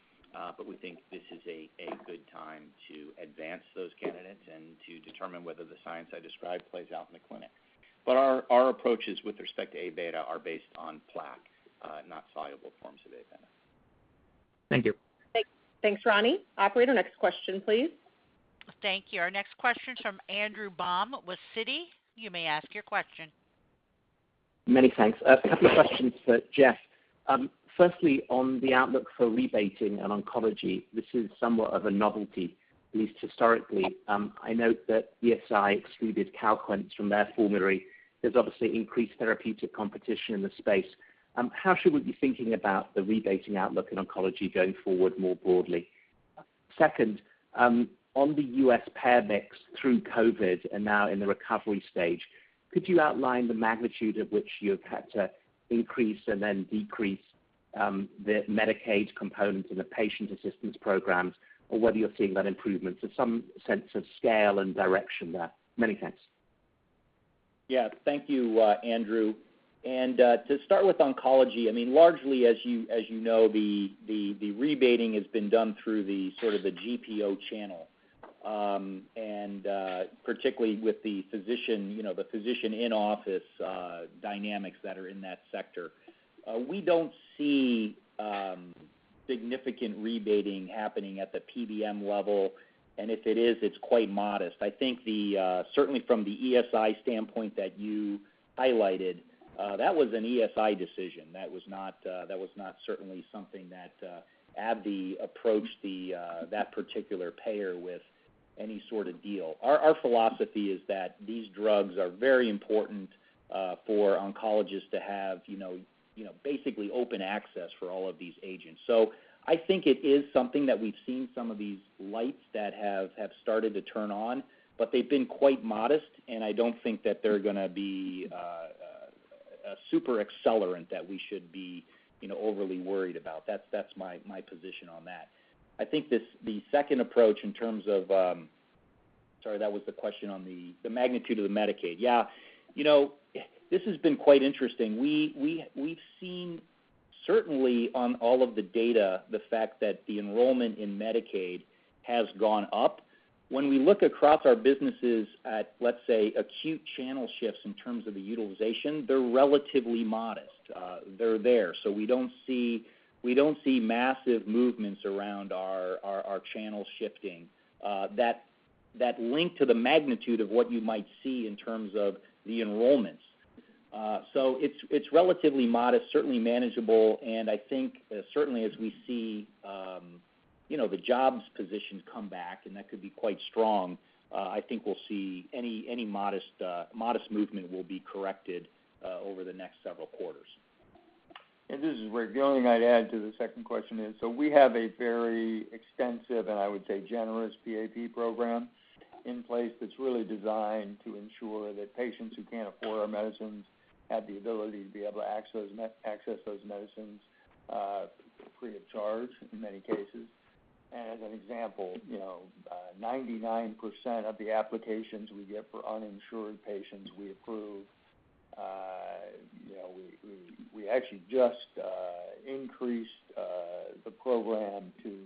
We think this is a good time to advance those candidates and to determine whether the science I described plays out in the clinic. Our approaches with respect to A-beta are based on plaque, not soluble forms of A-beta. Thank you. Thanks, Ronny. Operator, next question, please. Thank you. Our next question is from Andrew Baum with Citi. You may ask your question. Many thanks. A couple of questions for Jeff. Firstly, on the outlook for rebating and oncology, this is somewhat of a novelty, at least historically. I note that ESI excluded CALQUENCE from their formulary. There's obviously increased therapeutic competition in the space. How should we be thinking about the rebating outlook in oncology going forward more broadly? Second, on the U.S. payor mix through COVID and now in the recovery stage, could you outline the magnitude at which you've had to increase and then decrease the Medicaid component in the patient assistance programs, or whether you're seeing that improvement? Some sense of scale and direction there. Many thanks. Thank you, Andrew. To start with oncology, largely as you know, the rebating has been done through the GPO channel, and particularly with the physician in-office dynamics that are in that sector. We don't see significant rebating happening at the PBM level, and if it is, it's quite modest. I think certainly from the ESI standpoint that you highlighted, that was an ESI decision. That was not certainly something that AbbVie approached that particular payor with any sort of deal. Our philosophy is that these drugs are very important for oncologists to have basically open access for all of these agents. I think it is something that we've seen some of these lights that have started to turn on, but they've been quite modest, and I don't think that they're going to be a super accelerant that we should be overly worried about. That's my position on that. Sorry, that was the question on the magnitude of the Medicaid. This has been quite interesting. We've seen certainly on all of the data, the fact that the enrollment in Medicaid has gone up. When we look across our businesses at, let's say, acute channel shifts in terms of the utilization, they're relatively modest. They're there. We don't see massive movements around our channel shifting that link to the magnitude of what you might see in terms of the enrollments. It's relatively modest, certainly manageable, and I think certainly as we see the jobs positions come back, and that could be quite strong, I think we'll see any modest movement will be corrected over the next several quarters. This is Rick. The only thing I'd add to the second question is, we have a very extensive and, I would say, generous PAP program in place that's really designed to ensure that patients who can't afford our medicines have the ability to be able to access those medicines free of charge in many cases. As an example, 99% of the applications we get for uninsured patients, we approve. We actually just increased the program to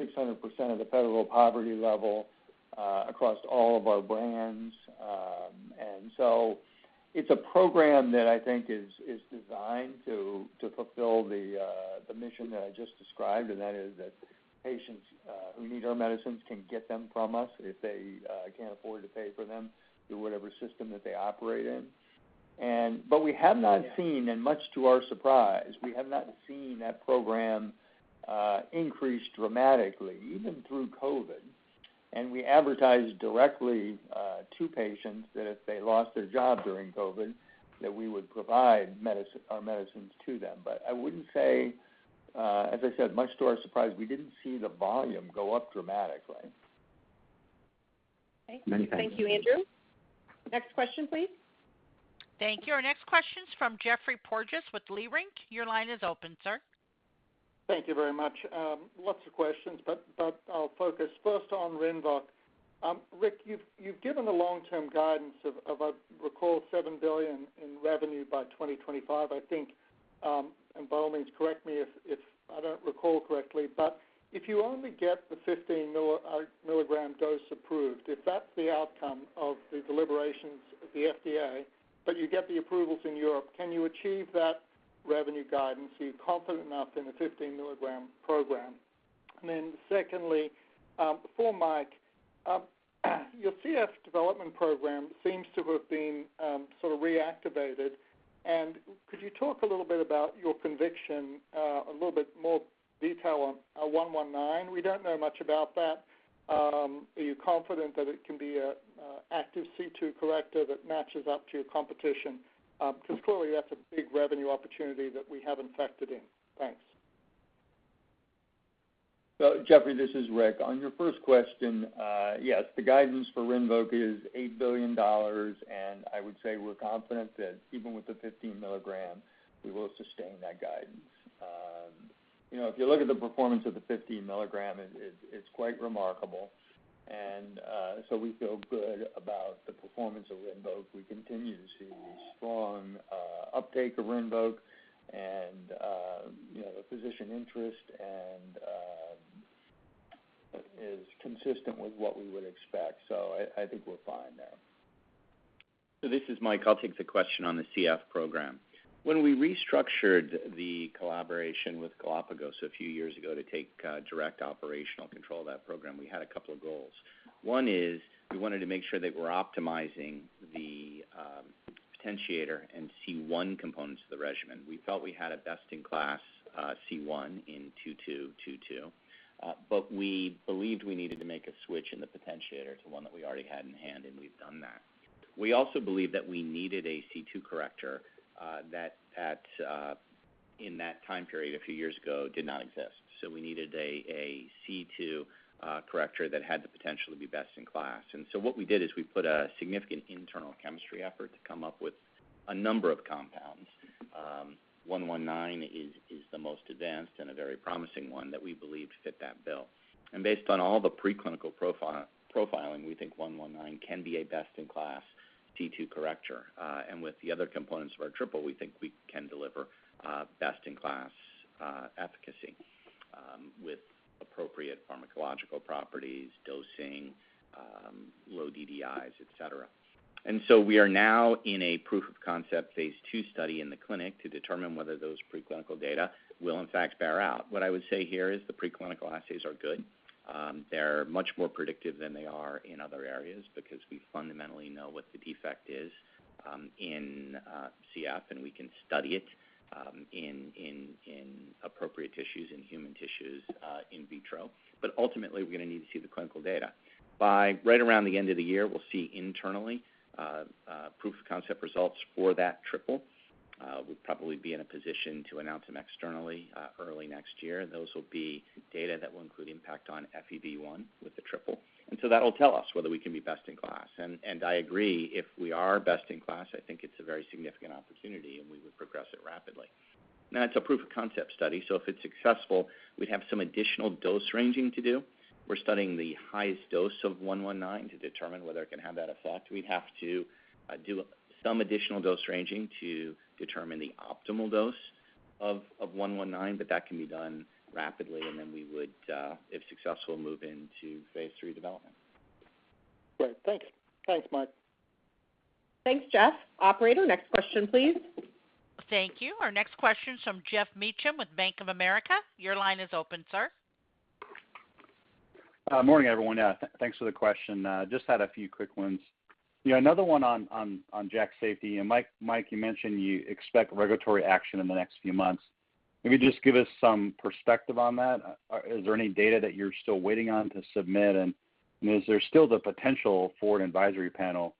600% of the federal poverty level across all of our brands. It's a program that I think is designed to fulfill the mission that I just described, and that is that patients who need our medicines can get them from us if they can't afford to pay for them through whatever system that they operate in. We have not seen, and much to our surprise, we have not seen that program increase dramatically, even through COVID. We advertised directly to patients that if they lost their job during COVID, that we would provide our medicines to them. As I said, much to our surprise, we didn't see the volume go up dramatically. Many thanks. Thank you, Andrew. Next question, please. Thank you. Our next question's from Geoffrey Porges with Leerink. Your line is open, sir. Thank you very much. Lots of questions. I'll focus first on RINVOQ. Rick, you've given the long-term guidance of, I recall, $7 billion in revenue by 2025, I think. By all means, correct me if I don't recall correctly. If you only get the 15 milligram dose approved, if that's the outcome of the deliberations at the FDA, but you get the approvals in Europe, can you achieve that revenue guidance? Are you confident enough in the 15 milligram program? Secondly, for Mike, your CF development program seems to have been sort of reactivated. Could you talk a little bit about your conviction, a little bit more detail on ABBV-119? We don't know much about that. Are you confident that it can be an active C2 corrector that matches up to your competition? Clearly that's a big revenue opportunity that we haven't factored in. Thanks. Geoffrey, this is Rick. On your first question, yes, the guidance for RINVOQ is $8 billion. I would say we're confident that even with the 15 milligram, we will sustain that guidance. If you look at the performance of the 15 milligram, it's quite remarkable. We feel good about the performance of RINVOQ. We continue to see strong uptake of RINVOQ and physician interest. It is consistent with what we would expect. I think we're fine there. This is Mike. I'll take the question on the CF program. When we restructured the collaboration with Galapagos a few years ago to take direct operational control of that program, we had a couple of goals. One, we wanted to make sure that we're optimizing the potentiator and C1 components of the regimen. We felt we had a best-in-class C1 in 2222, we believed we needed to make a switch in the potentiator to one that we already had in hand, and we've done that. We also believed that we needed a C2 corrector that in that time period a few years ago did not exist. We needed a C2 corrector that had the potential to be best in class. What we did is we put a significant internal chemistry effort to come up with a number of compounds. 119 is the most advanced and a very promising one that we believe fit that bill. Based on all the preclinical profiling, we think 119 can be a best-in-class C2 corrector. With the other components of our triple, we think we can deliver best-in-class efficacy with appropriate pharmacological properties, dosing, low DDIs, et cetera. We are now in a proof of concept phase II study in the clinic to determine whether those preclinical data will in fact bear out. What I would say here is the preclinical assays are good. They're much more predictive than they are in other areas because we fundamentally know what the defect is in CF, and we can study it in appropriate tissues, in human tissues, in vitro. Ultimately, we're going to need to see the clinical data. By right around the end of the year, we'll see internally proof of concept results for that triple. We'll probably be in a position to announce them externally early next year. Those will be data that will include impact on FEV1 with the triple. That'll tell us whether we can be best in class. I agree, if we are best in class, I think it's a very significant opportunity, and we would progress it rapidly. Now it's a proof of concept study, so if it's successful, we'd have some additional dose ranging to do. We're studying the highest dose of 119 to determine whether it can have that effect. We'd have to do some additional dose ranging to determine the optimal dose of 119, but that can be done rapidly, and then we would, if successful, move into phase III development. Great. Thanks, Mike. Thanks, Geoff. Operator, next question, please. Thank you. Our next question is from Geoff Meacham with Bank of America. Your line is open, sir. Morning, everyone. Thanks for the question. Just had a few quick ones. Another one on JAK safety. Mike, you mentioned you expect regulatory action in the next few months. Maybe just give us some perspective on that. Is there any data that you're still waiting on to submit? Is there still the potential for an advisory panel?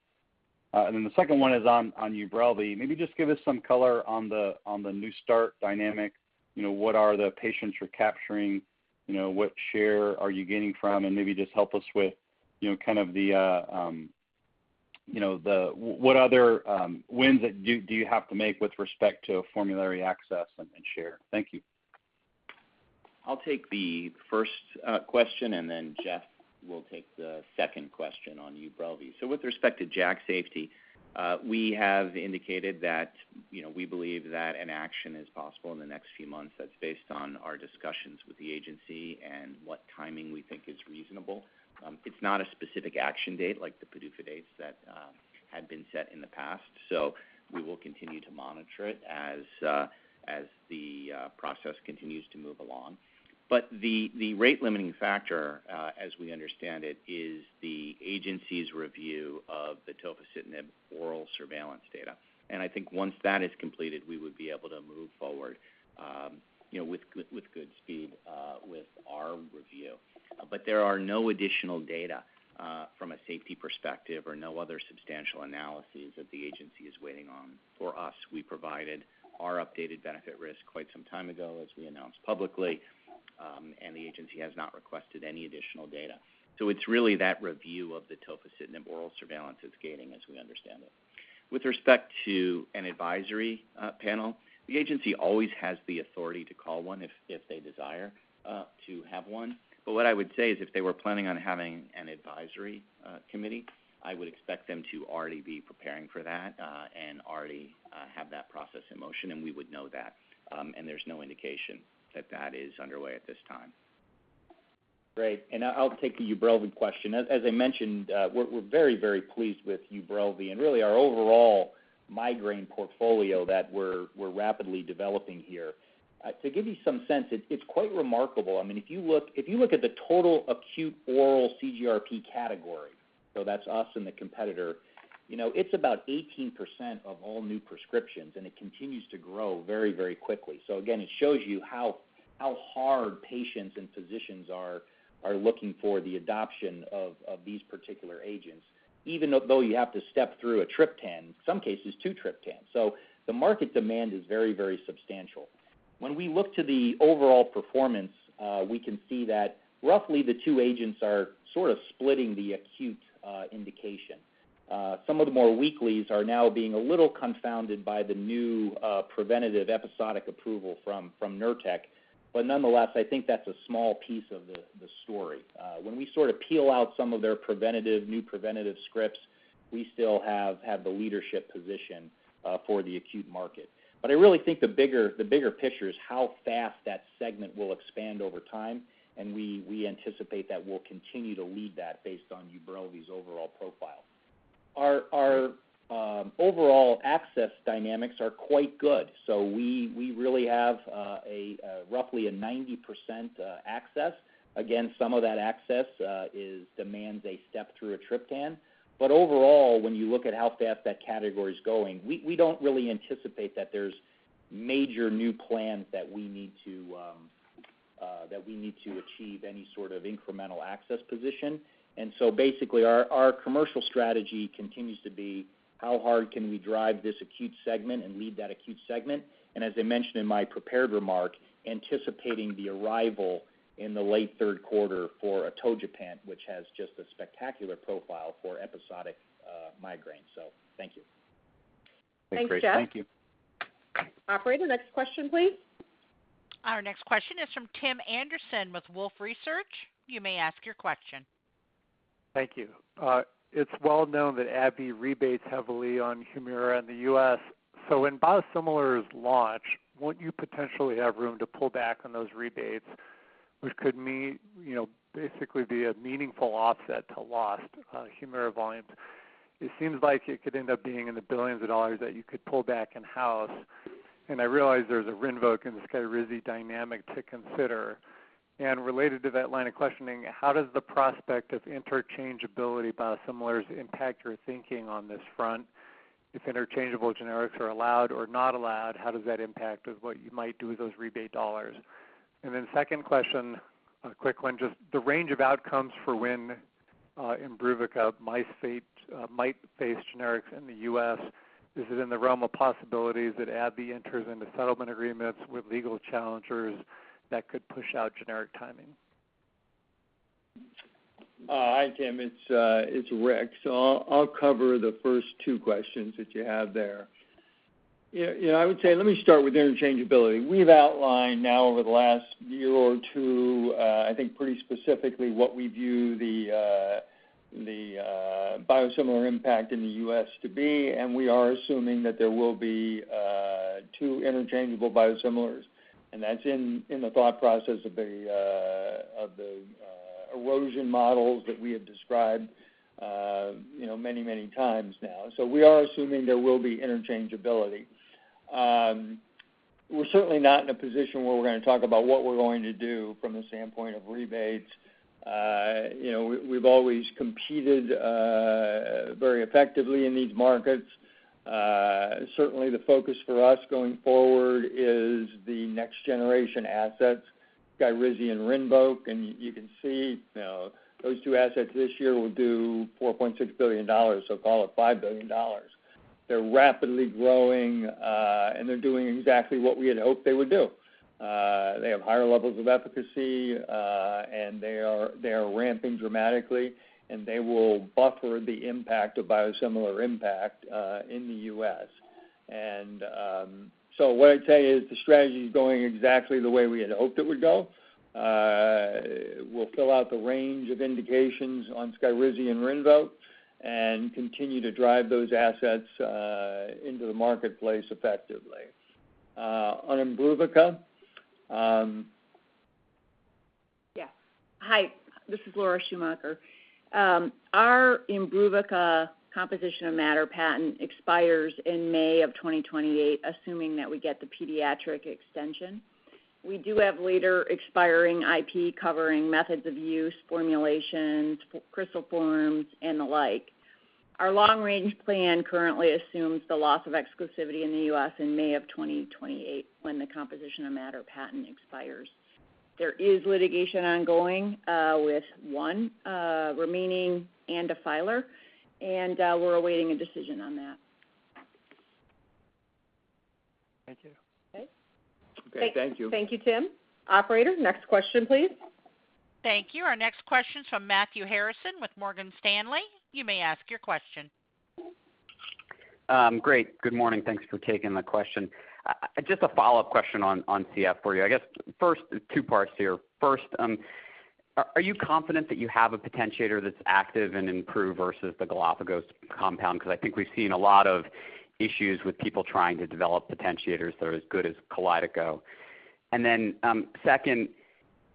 The second one is on Ubrelvy. Maybe just give us some color on the new start dynamic. What are the patients you're capturing? What share are you getting from? Maybe just help us with what other wins do you have to make with respect to formulary access and share. Thank you. I'll take the first question, and then Jeff Stewart will take the second question on Ubrelvy. With respect to JAK safety, we have indicated that we believe that an action is possible in the next few months. That's based on our discussions with the agency and what timing we think is reasonable. It's not a specific action date like the PDUFA dates that had been set in the past. We will continue to monitor it as the process continues to move along. The rate-limiting factor, as we understand it, is the agency's review of the tofacitinib ORAL Surveillance data. I think once that is completed, we would be able to move forward with good speed with our review. There are no additional data from a safety perspective or no other substantial analyses that the agency is waiting on for us. We provided our updated benefit risk quite some time ago, as we announced publicly, and the agency has not requested any additional data. It's really that review of the tofacitinib ORAL Surveillance it's gaining, as we understand it. With respect to an advisory panel, the agency always has the authority to call one if they desire to have one. What I would say is if they were planning on having an advisory committee, I would expect them to already be preparing for that, and already have that process in motion, and we would know that. There's no indication that is underway at this time. Great, I'll take the Ubrelvy question. As I mentioned, we're very pleased with Ubrelvy and really our overall migraine portfolio that we're rapidly developing here. To give you some sense, it's quite remarkable. If you look at the total acute oral CGRP category, that's us and the competitor, it's about 18% of all new prescriptions, it continues to grow very quickly. Again, it shows you how hard patients and physicians are looking for the adoption of these particular agents, even though you have to step through a triptan, some cases, two triptans. The market demand is very substantial. When we look to the overall performance, we can see that roughly the two agents are sort of splitting the acute indication. Some of the more weeklies are now being a little confounded by the new preventative episodic approval from Nurtec. Nonetheless, I think that's a small piece of the story. When we sort of peel out some of their new preventative scripts, we still have the leadership position for the acute market. I really think the bigger picture is how fast that segment will expand over time, and we anticipate that we'll continue to lead that based on Ubrelvy's overall profile. Our overall access dynamics are quite good. We really have roughly a 90% access. Again, some of that access demands a step through a triptan. Overall, when you look at how fast that category is going, we don't really anticipate that there's major new plans that we need to achieve any sort of incremental access position. Basically, our commercial strategy continues to be how hard can we drive this acute segment and lead that acute segment. As I mentioned in my prepared remark, anticipating the arrival in the late third quarter for atogepant, which has just a spectacular profile for episodic migraine. Thank you. Thanks, Geoff. Thank you. Operator, next question, please. Our next question is from Tim Anderson with Wolfe Research. You may ask your question. Thank you. It's well known that AbbVie rebates heavily on HUMIRA in the U.S. When biosimilars launch, won't you potentially have room to pull back on those rebates, which could basically be a meaningful offset to lost HUMIRA volumes? It seems like it could end up being in the billions of dollars that you could pull back in-house. I realize there's a RINVOQ and SKYRIZI dynamic to consider. Related to that line of questioning, how does the prospect of interchangeability biosimilars impact your thinking on this front? If interchangeable generics are allowed or not allowed, how does that impact what you might do with those rebate dollars? Second question, a quick one, just the range of outcomes for when IMBRUVICA might face generics in the U.S. Is it in the realm of possibilities that AbbVie enters into settlement agreements with legal challengers that could push out generic timing? Hi, Tim. It's Rick. I'll cover the first two questions that you have there. I would say, let me start with interchangeability. We've outlined now over the last year or two, I think pretty specifically what we view the The biosimilar impact in the U.S. to be, and we are assuming that there will be 2 interchangeable biosimilars. That's in the thought process of the erosion models that we have described many times now. We are assuming there will be interchangeability. We're certainly not in a position where we're going to talk about what we're going to do from the standpoint of rebates. We've always competed very effectively in these markets. Certainly the focus for us going forward is the next generation assets, SKYRIZI and RINVOQ, and you can see those two assets this year will do $4.6 billion, call it $5 billion. They're rapidly growing, and they're doing exactly what we had hoped they would do. They have higher levels of efficacy, and they are ramping dramatically, and they will buffer the impact of biosimilar impact in the U.S. What I'd say is the strategy's going exactly the way we had hoped it would go. We'll fill out the range of indications on SKYRIZI and RINVOQ and continue to drive those assets into the marketplace effectively. On IMBRUVICA. Yes. Hi, this is Laura Schumacher. Our IMBRUVICA composition of matter patent expires in May of 2028, assuming that we get the pediatric extension. We do have later expiring IP covering methods of use, formulations, crystal forms, and the like. Our long-range plan currently assumes the loss of exclusivity in the U.S. in May of 2028, when the composition of matter patent expires. There is litigation ongoing with one remaining and a filer, and we're awaiting a decision on that. Thank you. Okay, thank you. Thank you, Tim. Operator, next question, please. Thank you. Our next question is from Matthew Harrison with Morgan Stanley. You may ask your question. Great. Good morning. Thanks for taking my question. Just a follow-up question on CF for you. I guess first, two parts here. First, are you confident that you have a potentiator that's active in improve versus the Galapagos compound? I think we've seen a lot of issues with people trying to develop potentiators that are as good as Kalydeco. Second,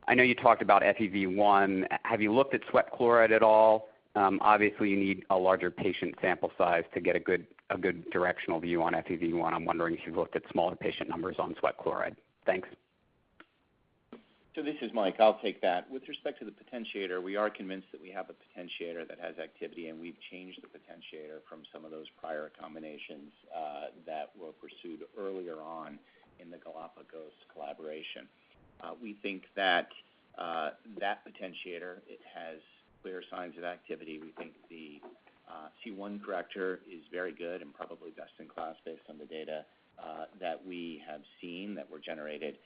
I know you talked about FEV1. Have you looked at sweat chloride at all? Obviously, you need a larger patient sample size to get a good directional view on FEV1. I'm wondering if you've looked at smaller patient numbers on sweat chloride. Thanks. This is Michael. I'll take that. With respect to the potentiator, we are convinced that we have a potentiator that has activity, and we've changed the potentiator from some of those prior combinations that were pursued earlier on in the Galapagos collaboration. We think that potentiator, it has clear signs of activity. We think the C1 corrector is very good and probably best in class based on the data that we have seen that were generated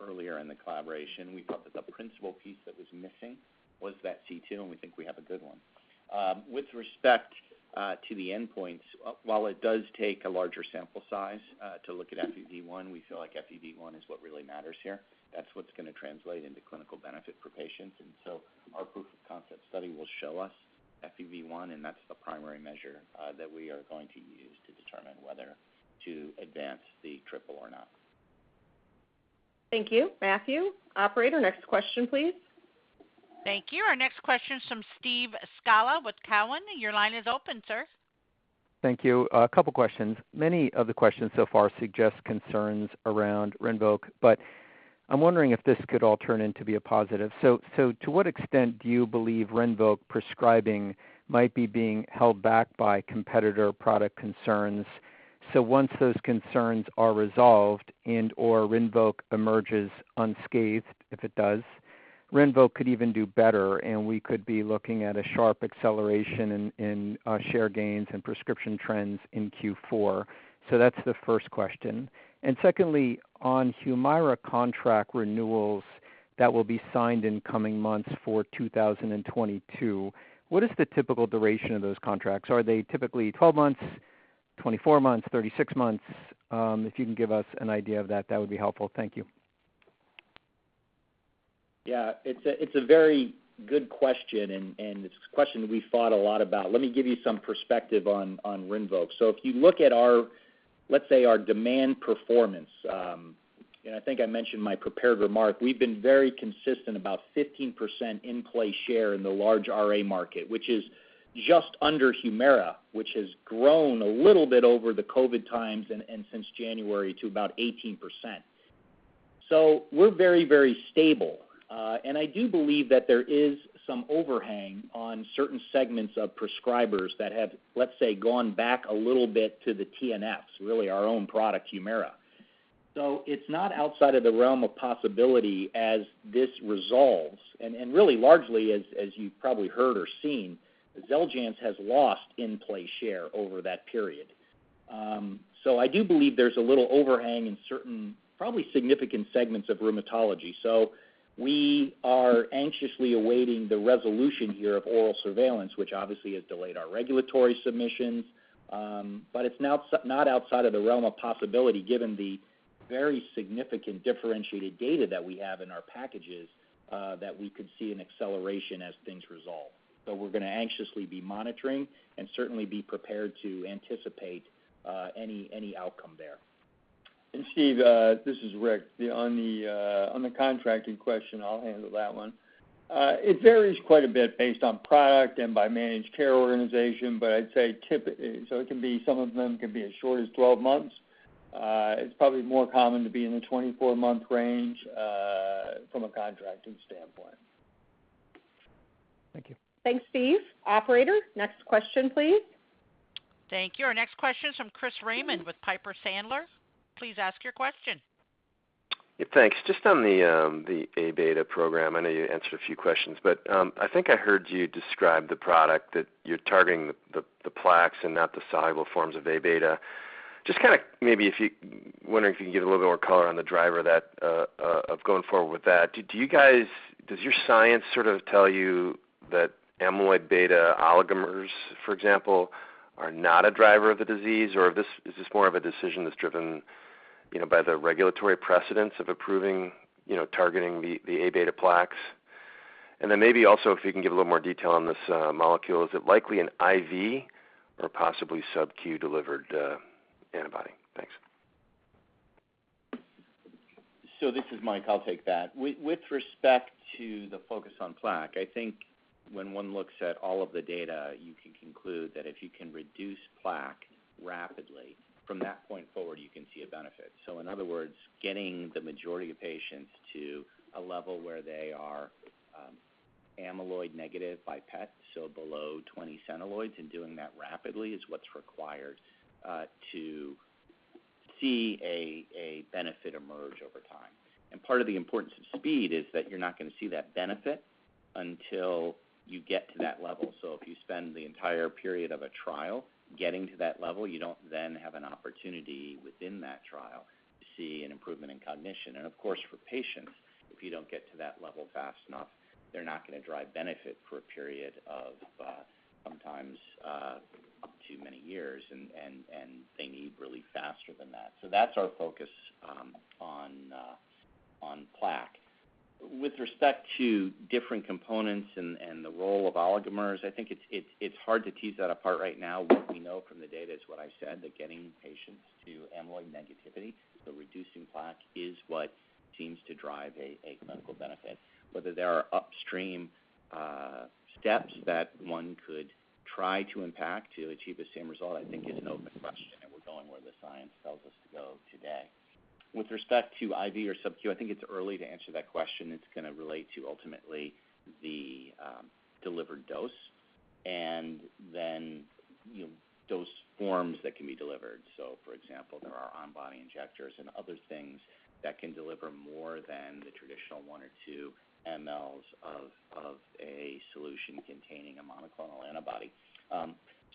earlier in the collaboration. We felt that the principal piece that was missing was that C2, and we think we have a good one. With respect to the endpoints, while it does take a larger sample size to look at FEV1, we feel like FEV1 is what really matters here. That's what's going to translate into clinical benefit for patients. Our proof of concept study will show us FEV1, and that's the primary measure that we are going to use to determine whether to advance the triple or not. Thank you, Matthew. Operator, next question, please. Thank you. Our next question is from Steve Scala with Cowen. Your line is open, sir. Thank you. A couple questions. Many of the questions so far suggest concerns around RINVOQ, but I'm wondering if this could all turn in to be a positive. To what extent do you believe RINVOQ prescribing might be being held back by competitor product concerns? Once those concerns are resolved and/or RINVOQ emerges unscathed, if it does, RINVOQ could even do better, and we could be looking at a sharp acceleration in share gains and prescription trends in Q4. That's the first question. Secondly, on HUMIRA contract renewals that will be signed in coming months for 2022, what is the typical duration of those contracts? Are they typically 12 months, 24 months, 36 months? If you can give us an idea of that would be helpful. Thank you. It's a very good question, and it's a question we thought a lot about. Let me give you some perspective on RINVOQ. If you look at our, let's say, our demand performance, and I think I mentioned in my prepared remark, we've been very consistent about 15% in-play share in the large RA market, which is just under HUMIRA, which has grown a little bit over the COVID times and since January to about 18%. We're very, very stable. I do believe that there is some overhang on certain segments of prescribers that have, let's say, gone back a little bit to the TNFs, really our own product, HUMIRA. It's not outside of the realm of possibility as this resolves, and really largely as you've probably heard or seen, XELJANZ has lost in-play share over that period. I do believe there's a little overhang in certain, probably significant segments of rheumatology. We are anxiously awaiting the resolution here of ORAL Surveillance, which obviously has delayed our regulatory submissions. It's not outside of the realm of possibility given the very significant differentiated data that we have in our packages, that we could see an acceleration as things resolve. We're going to anxiously be monitoring and certainly be prepared to anticipate any outcome. And Steve, this is Rick. On the contracting question, I'll handle that one. It varies quite a bit based on product and by managed care organization, but some of them can be as short as 12 months. It's probably more common to be in the 24-month range from a contracting standpoint. Thank you. Thanks, Steve. Operator, next question, please. Thank you. Our next question is from Chris Raymond with Piper Sandler. Please ask your question. Thanks. Just on the A-beta program, I know you answered a few questions, but I think I heard you describe the product that you're targeting the plaques and not the soluble forms of A-beta. Just kind of wondering if you could give a little bit more color on the driver of going forward with that. Does your science sort of tell you that amyloid beta oligomers, for example, are not a driver of the disease, or is this more of a decision that's driven by the regulatory precedence of approving targeting the A-beta plaques? Then maybe also if you can give a little more detail on this molecule. Is it likely an IV or possibly subQ-delivered antibody? Thanks. This is Mike. I'll take that. With respect to the focus on plaque, I think when one looks at all of the data, you can conclude that if you can reduce plaque rapidly, from that point forward, you can see a benefit. In other words, getting the majority of patients to a level where they are amyloid negative by PET, below 20 centiloids, and doing that rapidly is what's required to see a benefit emerge over time. Part of the importance of speed is that you're not going to see that benefit until you get to that level. If you spend the entire period of a trial getting to that level, you don't then have an opportunity within that trial to see an improvement in cognition. Of course, for patients, if you don't get to that level fast enough, they're not going to derive benefit for a period of sometimes up to many years, and they need relief faster than that. That's our focus on plaque. With respect to different components and the role of oligomers, I think it's hard to tease that apart right now. What we know from the data is what I said, that getting patients to amyloid negativity, so reducing plaque, is what seems to drive a clinical benefit. Whether there are upstream steps that one could try to impact to achieve the same result, I think is an open question, and we're going where the science tells us to go today. With respect to IV or subQ, I think it's early to answer that question. It's going to relate to ultimately the delivered dose and then dose forms that can be delivered. For example, there are on-body injectors and other things that can deliver more than the traditional 1 or 2 mLs of a solution containing a monoclonal antibody.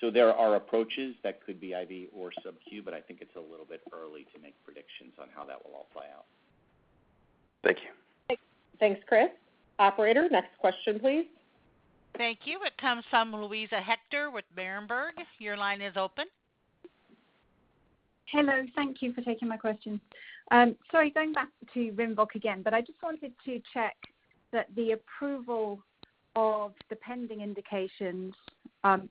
There are approaches that could be IV or subQ, but I think it's a little bit early to make predictions on how that will all play out. Thank you. Thanks, Chris. Operator, next question, please. Thank you. It comes from Luisa Hector with Berenberg. Your line is open. Hello. Thank you for taking my question. Sorry, going back to RINVOQ again, but I just wanted to check that the approval of the pending indications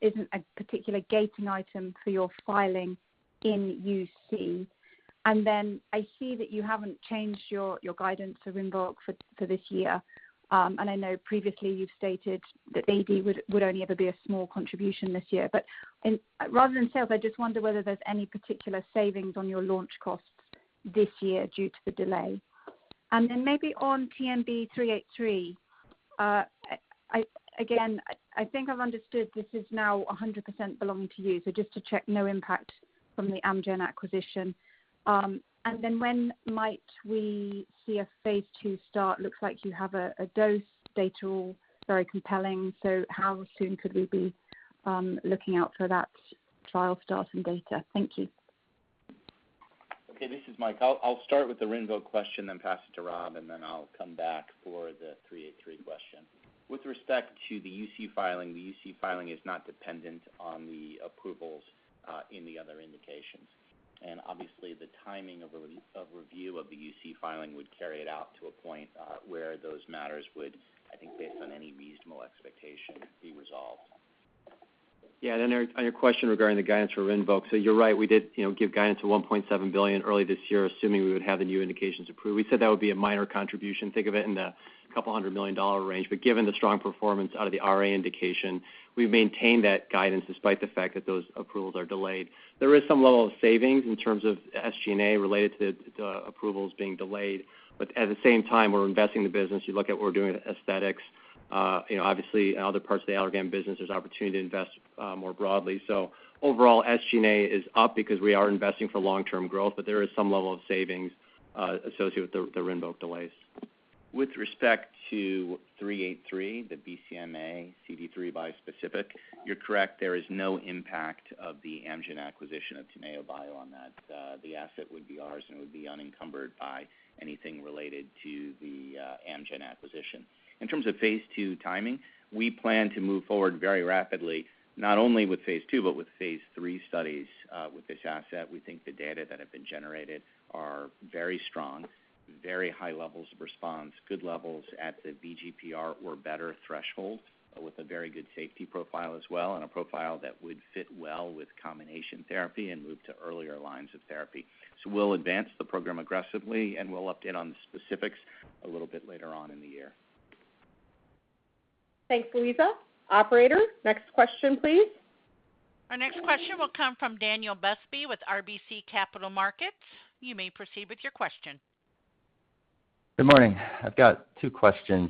isn't a particular gating item for your filing in UC. I see that you haven't changed your guidance for RINVOQ for this year. I know previously you've stated that AD would only ever be a small contribution this year. Rather than sales, I just wonder whether there's any particular savings on your launch costs this year due to the delay. Maybe on TNB-383B. Again, I think I've understood this is now 100% belonging to you. Just to check, no impact from the Amgen acquisition. When might we see a phase II start? Looks like you have a dose data, all very compelling. How soon could we be looking out for that trial starting data? Thank you. Okay, this is Mike. I'll start with the RINVOQ question, then pass it to Rob, and then I'll come back for the 383 question. With respect to the UC filing, the UC filing is not dependent on the approvals in the other indications. Obviously the timing of review of the UC filing would carry it out to a point where those matters would, I think based on any reasonable expectation, be resolved. Yeah. On your question regarding the guidance for RINVOQ, you're right, we did give guidance of $1.7 billion early this year, assuming we would have the new indications approved. We said that would be a minor contribution. Think of it in the couple hundred million dollar range. Given the strong performance out of the RA indication, we've maintained that guidance despite the fact that those approvals are delayed. There is some level of savings in terms of SG&A related to approvals being delayed. At the same time, we're investing in the business. You look at what we're doing with aesthetics. Obviously in other parts of the Allergan business, there's opportunity to invest more broadly. Overall, SG&A is up because we are investing for long-term growth, but there is some level of savings associated with the RINVOQ delays. With respect to 383, the BCMA CD3 bispecific, you're correct, there is no impact of the Amgen acquisition of Teneobio on that. The asset would be ours, and it would be unencumbered by anything related to the Amgen acquisition. In terms of phase II timing, we plan to move forward very rapidly, not only with phase II, but with phase III studies with this asset. We think the data that have been generated are very strong. Very high levels of response, good levels at the VGPR or better threshold, with a very good safety profile as well, and a profile that would fit well with combination therapy and move to earlier lines of therapy. We'll advance the program aggressively, and we'll update on specifics a little bit later on in the year. Thanks, Luisa. Operator, next question, please. Our next question will come from Daniel Busby with RBC Capital Markets. You may proceed with your question. Good morning. I've got two questions.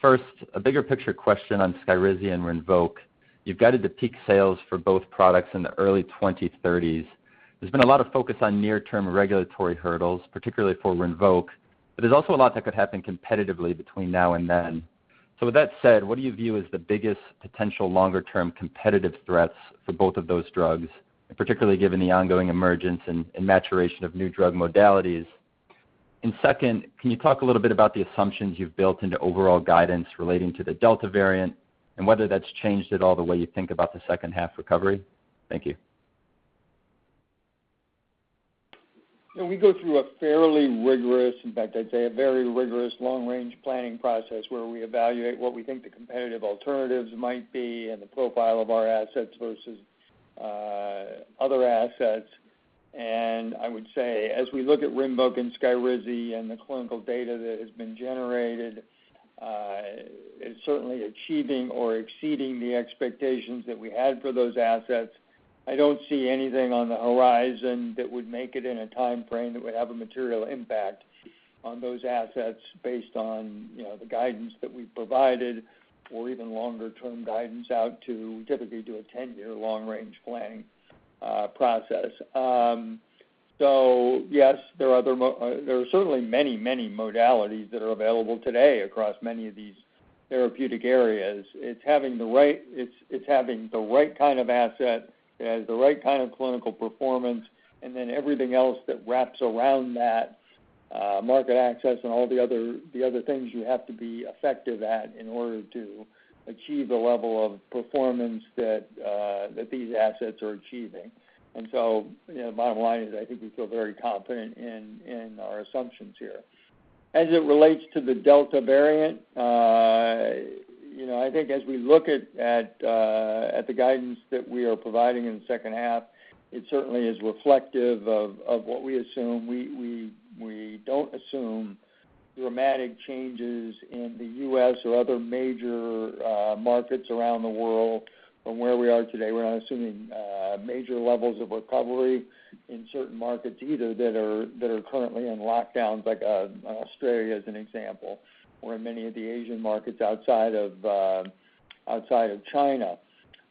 First, a bigger picture question on SKYRIZI and RINVOQ. You've guided the peak sales for both products in the early 2030s. There's been a lot of focus on near-term regulatory hurdles, particularly for RINVOQ, but there's also a lot that could happen competitively between now and then. With that said, what do you view as the biggest potential longer-term competitive threats for both of those drugs, and particularly given the ongoing emergence and maturation of new drug modalities? Second, can you talk a little bit about the assumptions you've built into overall guidance relating to the Delta variant, and whether that's changed at all the way you think about the second half recovery? Thank you. We go through a fairly rigorous, in fact, I'd say a very rigorous long-range planning process where we evaluate what we think the competitive alternatives might be and the profile of our assets versus other assets. I would say, as we look at RINVOQ and SKYRIZI and the clinical data that has been generated, it's certainly achieving or exceeding the expectations that we had for those assets. I don't see anything on the horizon that would make it in a timeframe that would have a material impact on those assets based on the guidance that we've provided, or even longer-term guidance out to, typically do a 10-year long-range planning process. Yes, there are certainly many modalities that are available today across many of these therapeutic areas. It's having the right kind of asset that has the right kind of clinical performance, and then everything else that wraps around that, market access and all the other things you have to be effective at in order to achieve the level of performance that these assets are achieving. Bottom line is, I think we feel very confident in our assumptions here. As it relates to the Delta variant, I think as we look at the guidance that we are providing in the second half, it certainly is reflective of what we assume. We don't assume dramatic changes in the U.S. or other major markets around the world from where we are today. We're not assuming major levels of recovery in certain markets either that are currently in lockdowns, like Australia as an example, or in many of the Asian markets outside of China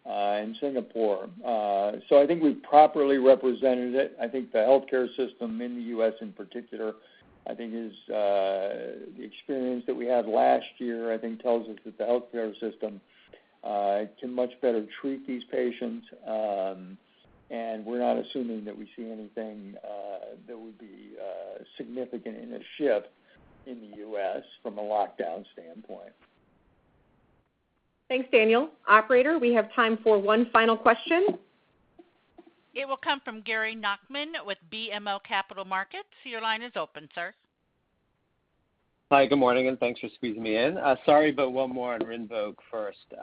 and Singapore. I think we've properly represented it. I think the healthcare system in the U.S. in particular, I think the experience that we had last year, I think, tells us that the healthcare system can much better treat these patients, and we're not assuming that we see anything that would be significant in a shift in the U.S. from a lockdown standpoint. Thanks, Daniel. Operator, we have time for one final question. It will come from Gary Nachman with BMO Capital Markets. Your line is open, sir. Hi, good morning, and thanks for squeezing me in. Sorry, one more on RINVOQ first.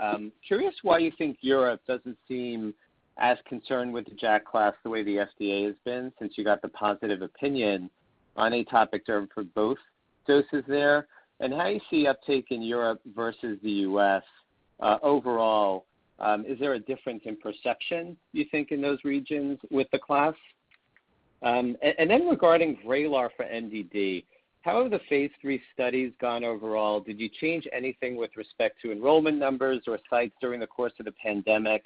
Curious why you think Europe doesn't seem as concerned with the JAK class the way the FDA has been since you got the positive opinion on atopic derm for both doses there, and how you see uptake in Europe versus the U.S. overall. Is there a difference in perception, you think, in those regions with the class? Regarding VRAYLAR for MDD, how have the phase III studies gone overall? Did you change anything with respect to enrollment numbers or sites during the course of the pandemic,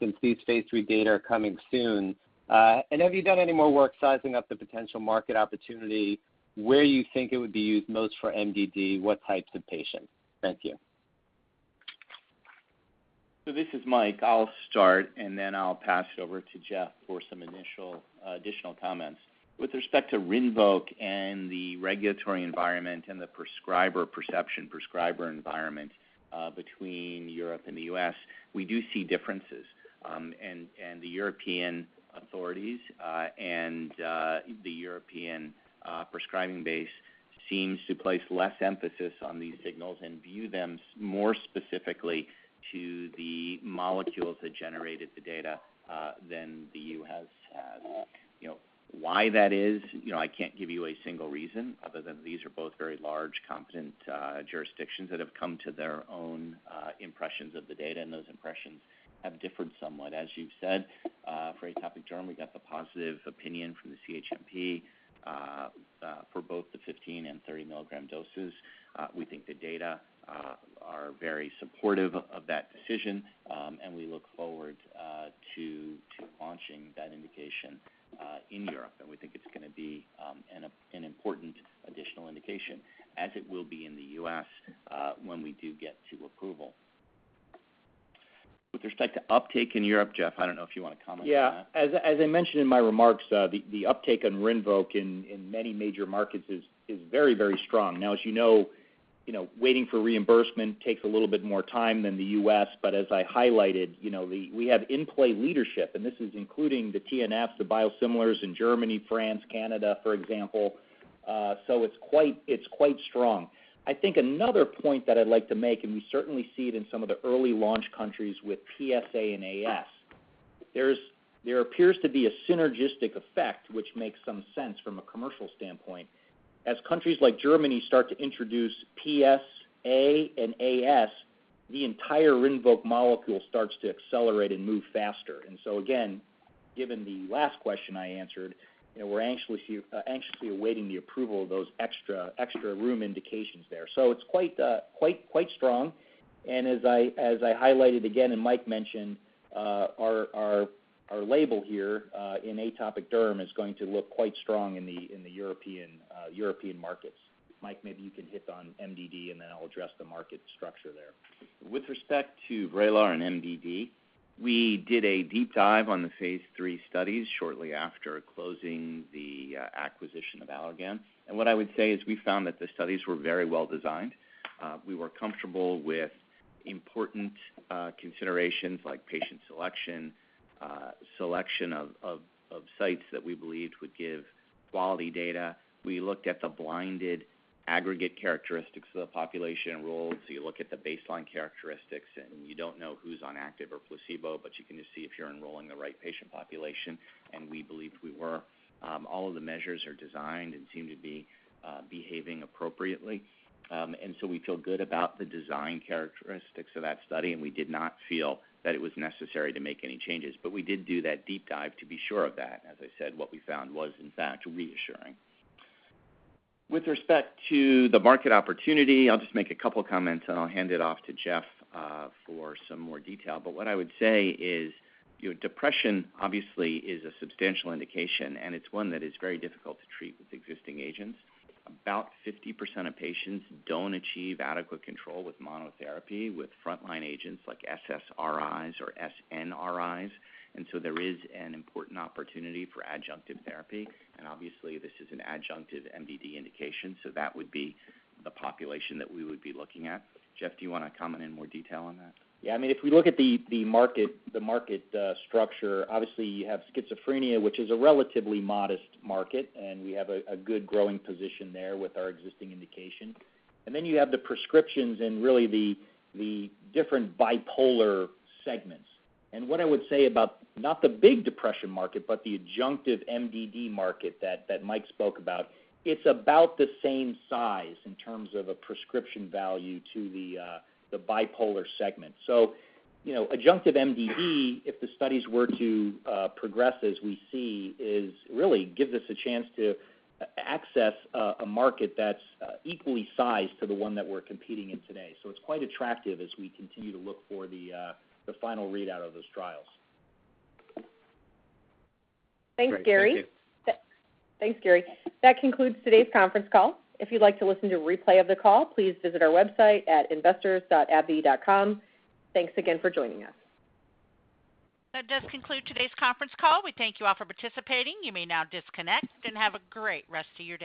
since these phase III data are coming soon? Have you done any more work sizing up the potential market opportunity, where you think it would be used most for MDD? What types of patients? Thank you. This is Mike. I'll start, and then I'll pass it over to Jeff for some additional comments. With respect to RINVOQ and the regulatory environment and the prescriber perception, prescriber environment between Europe and the U.S., we do see differences. The European authorities and the European prescribing base seems to place less emphasis on these signals and view them more specifically to the molecules that generated the data than the U.S. has. Why that is, I can't give you a single reason other than these are both very large, competent jurisdictions that have come to their own impressions of the data, and those impressions have differed somewhat. As you've said, for atopic derm, we got the positive opinion from the CHMP for both the 15 and 30 milligram doses. We think the data are very supportive of that decision, and we look forward to launching that indication in Europe. We think it's going to be an important additional indication, as it will be in the U.S. when we do get to approval. With respect to uptake in Europe, Jeff, I don't know if you want to comment on that. Yeah. As I mentioned in my remarks, the uptake on RINVOQ in many major markets is very strong. Now, as you know. Waiting for reimbursement takes a little bit more time than the U.S., as I highlighted, we have in-play leadership, and this is including the TNFs, the biosimilars in Germany, France, Canada, for example. It's quite strong. I think another point that I'd like to make, and we certainly see it in some of the early launch countries with PsA and AS. There appears to be a synergistic effect, which makes some sense from a commercial standpoint. As countries like Germany start to introduce PsA and AS, the entire RINVOQ molecule starts to accelerate and move faster. Again, given the last question I answered, we're anxiously awaiting the approval of those extra room indications there. It's quite strong. As I highlighted again and Mike mentioned, our label here in atopic derm is going to look quite strong in the European markets. Mike, maybe you can hit on MDD, and then I'll address the market structure there. With respect to VRAYLAR and MDD, we did a deep dive on the phase III studies shortly after closing the acquisition of Allergan. What I would say is we found that the studies were very well-designed. We were comfortable with important considerations like patient selection of sites that we believed would give quality data. We looked at the blinded aggregate characteristics of the population enrolled. You look at the baseline characteristics, and you don't know who's on active or placebo, but you can just see if you're enrolling the right patient population, and we believed we were. All of the measures are designed and seem to be behaving appropriately. We feel good about the design characteristics of that study, and we did not feel that it was necessary to make any changes. We did do that deep dive to be sure of that. As I said, what we found was, in fact, reassuring. With respect to the market opportunity, I'll just make a couple comments, and I'll hand it off to Jeff for some more detail. What I would say is depression obviously is a substantial indication, and it's one that is very difficult to treat with existing agents. About 50% of patients don't achieve adequate control with monotherapy with frontline agents like SSRIs or SNRIs. There is an important opportunity for adjunctive therapy. Obviously, this is an adjunctive MDD indication, so that would be the population that we would be looking at. Jeff, do you want to comment in more detail on that? Yeah. If we look at the market structure, obviously you have schizophrenia, which is a relatively modest market, and we have a good growing position there with our existing indication. Then you have the prescriptions and really the different bipolar segments. What I would say about not the big depression market, but the adjunctive MDD market that Mike spoke about, it's about the same size in terms of a prescription value to the bipolar segment. Adjunctive MDD, if the studies were to progress as we see, really gives us a chance to access a market that's equally sized to the one that we're competing in today. It's quite attractive as we continue to look for the final readout of those trials. Thanks, Gary. Great. Thank you. Thanks, Gary. That concludes today's conference call. If you'd like to listen to a replay of the call, please visit our website at investors.abbvie.com. Thanks again for joining us. That does conclude today's conference call. We thank you all for participating. You may now disconnect and have a great rest of your day.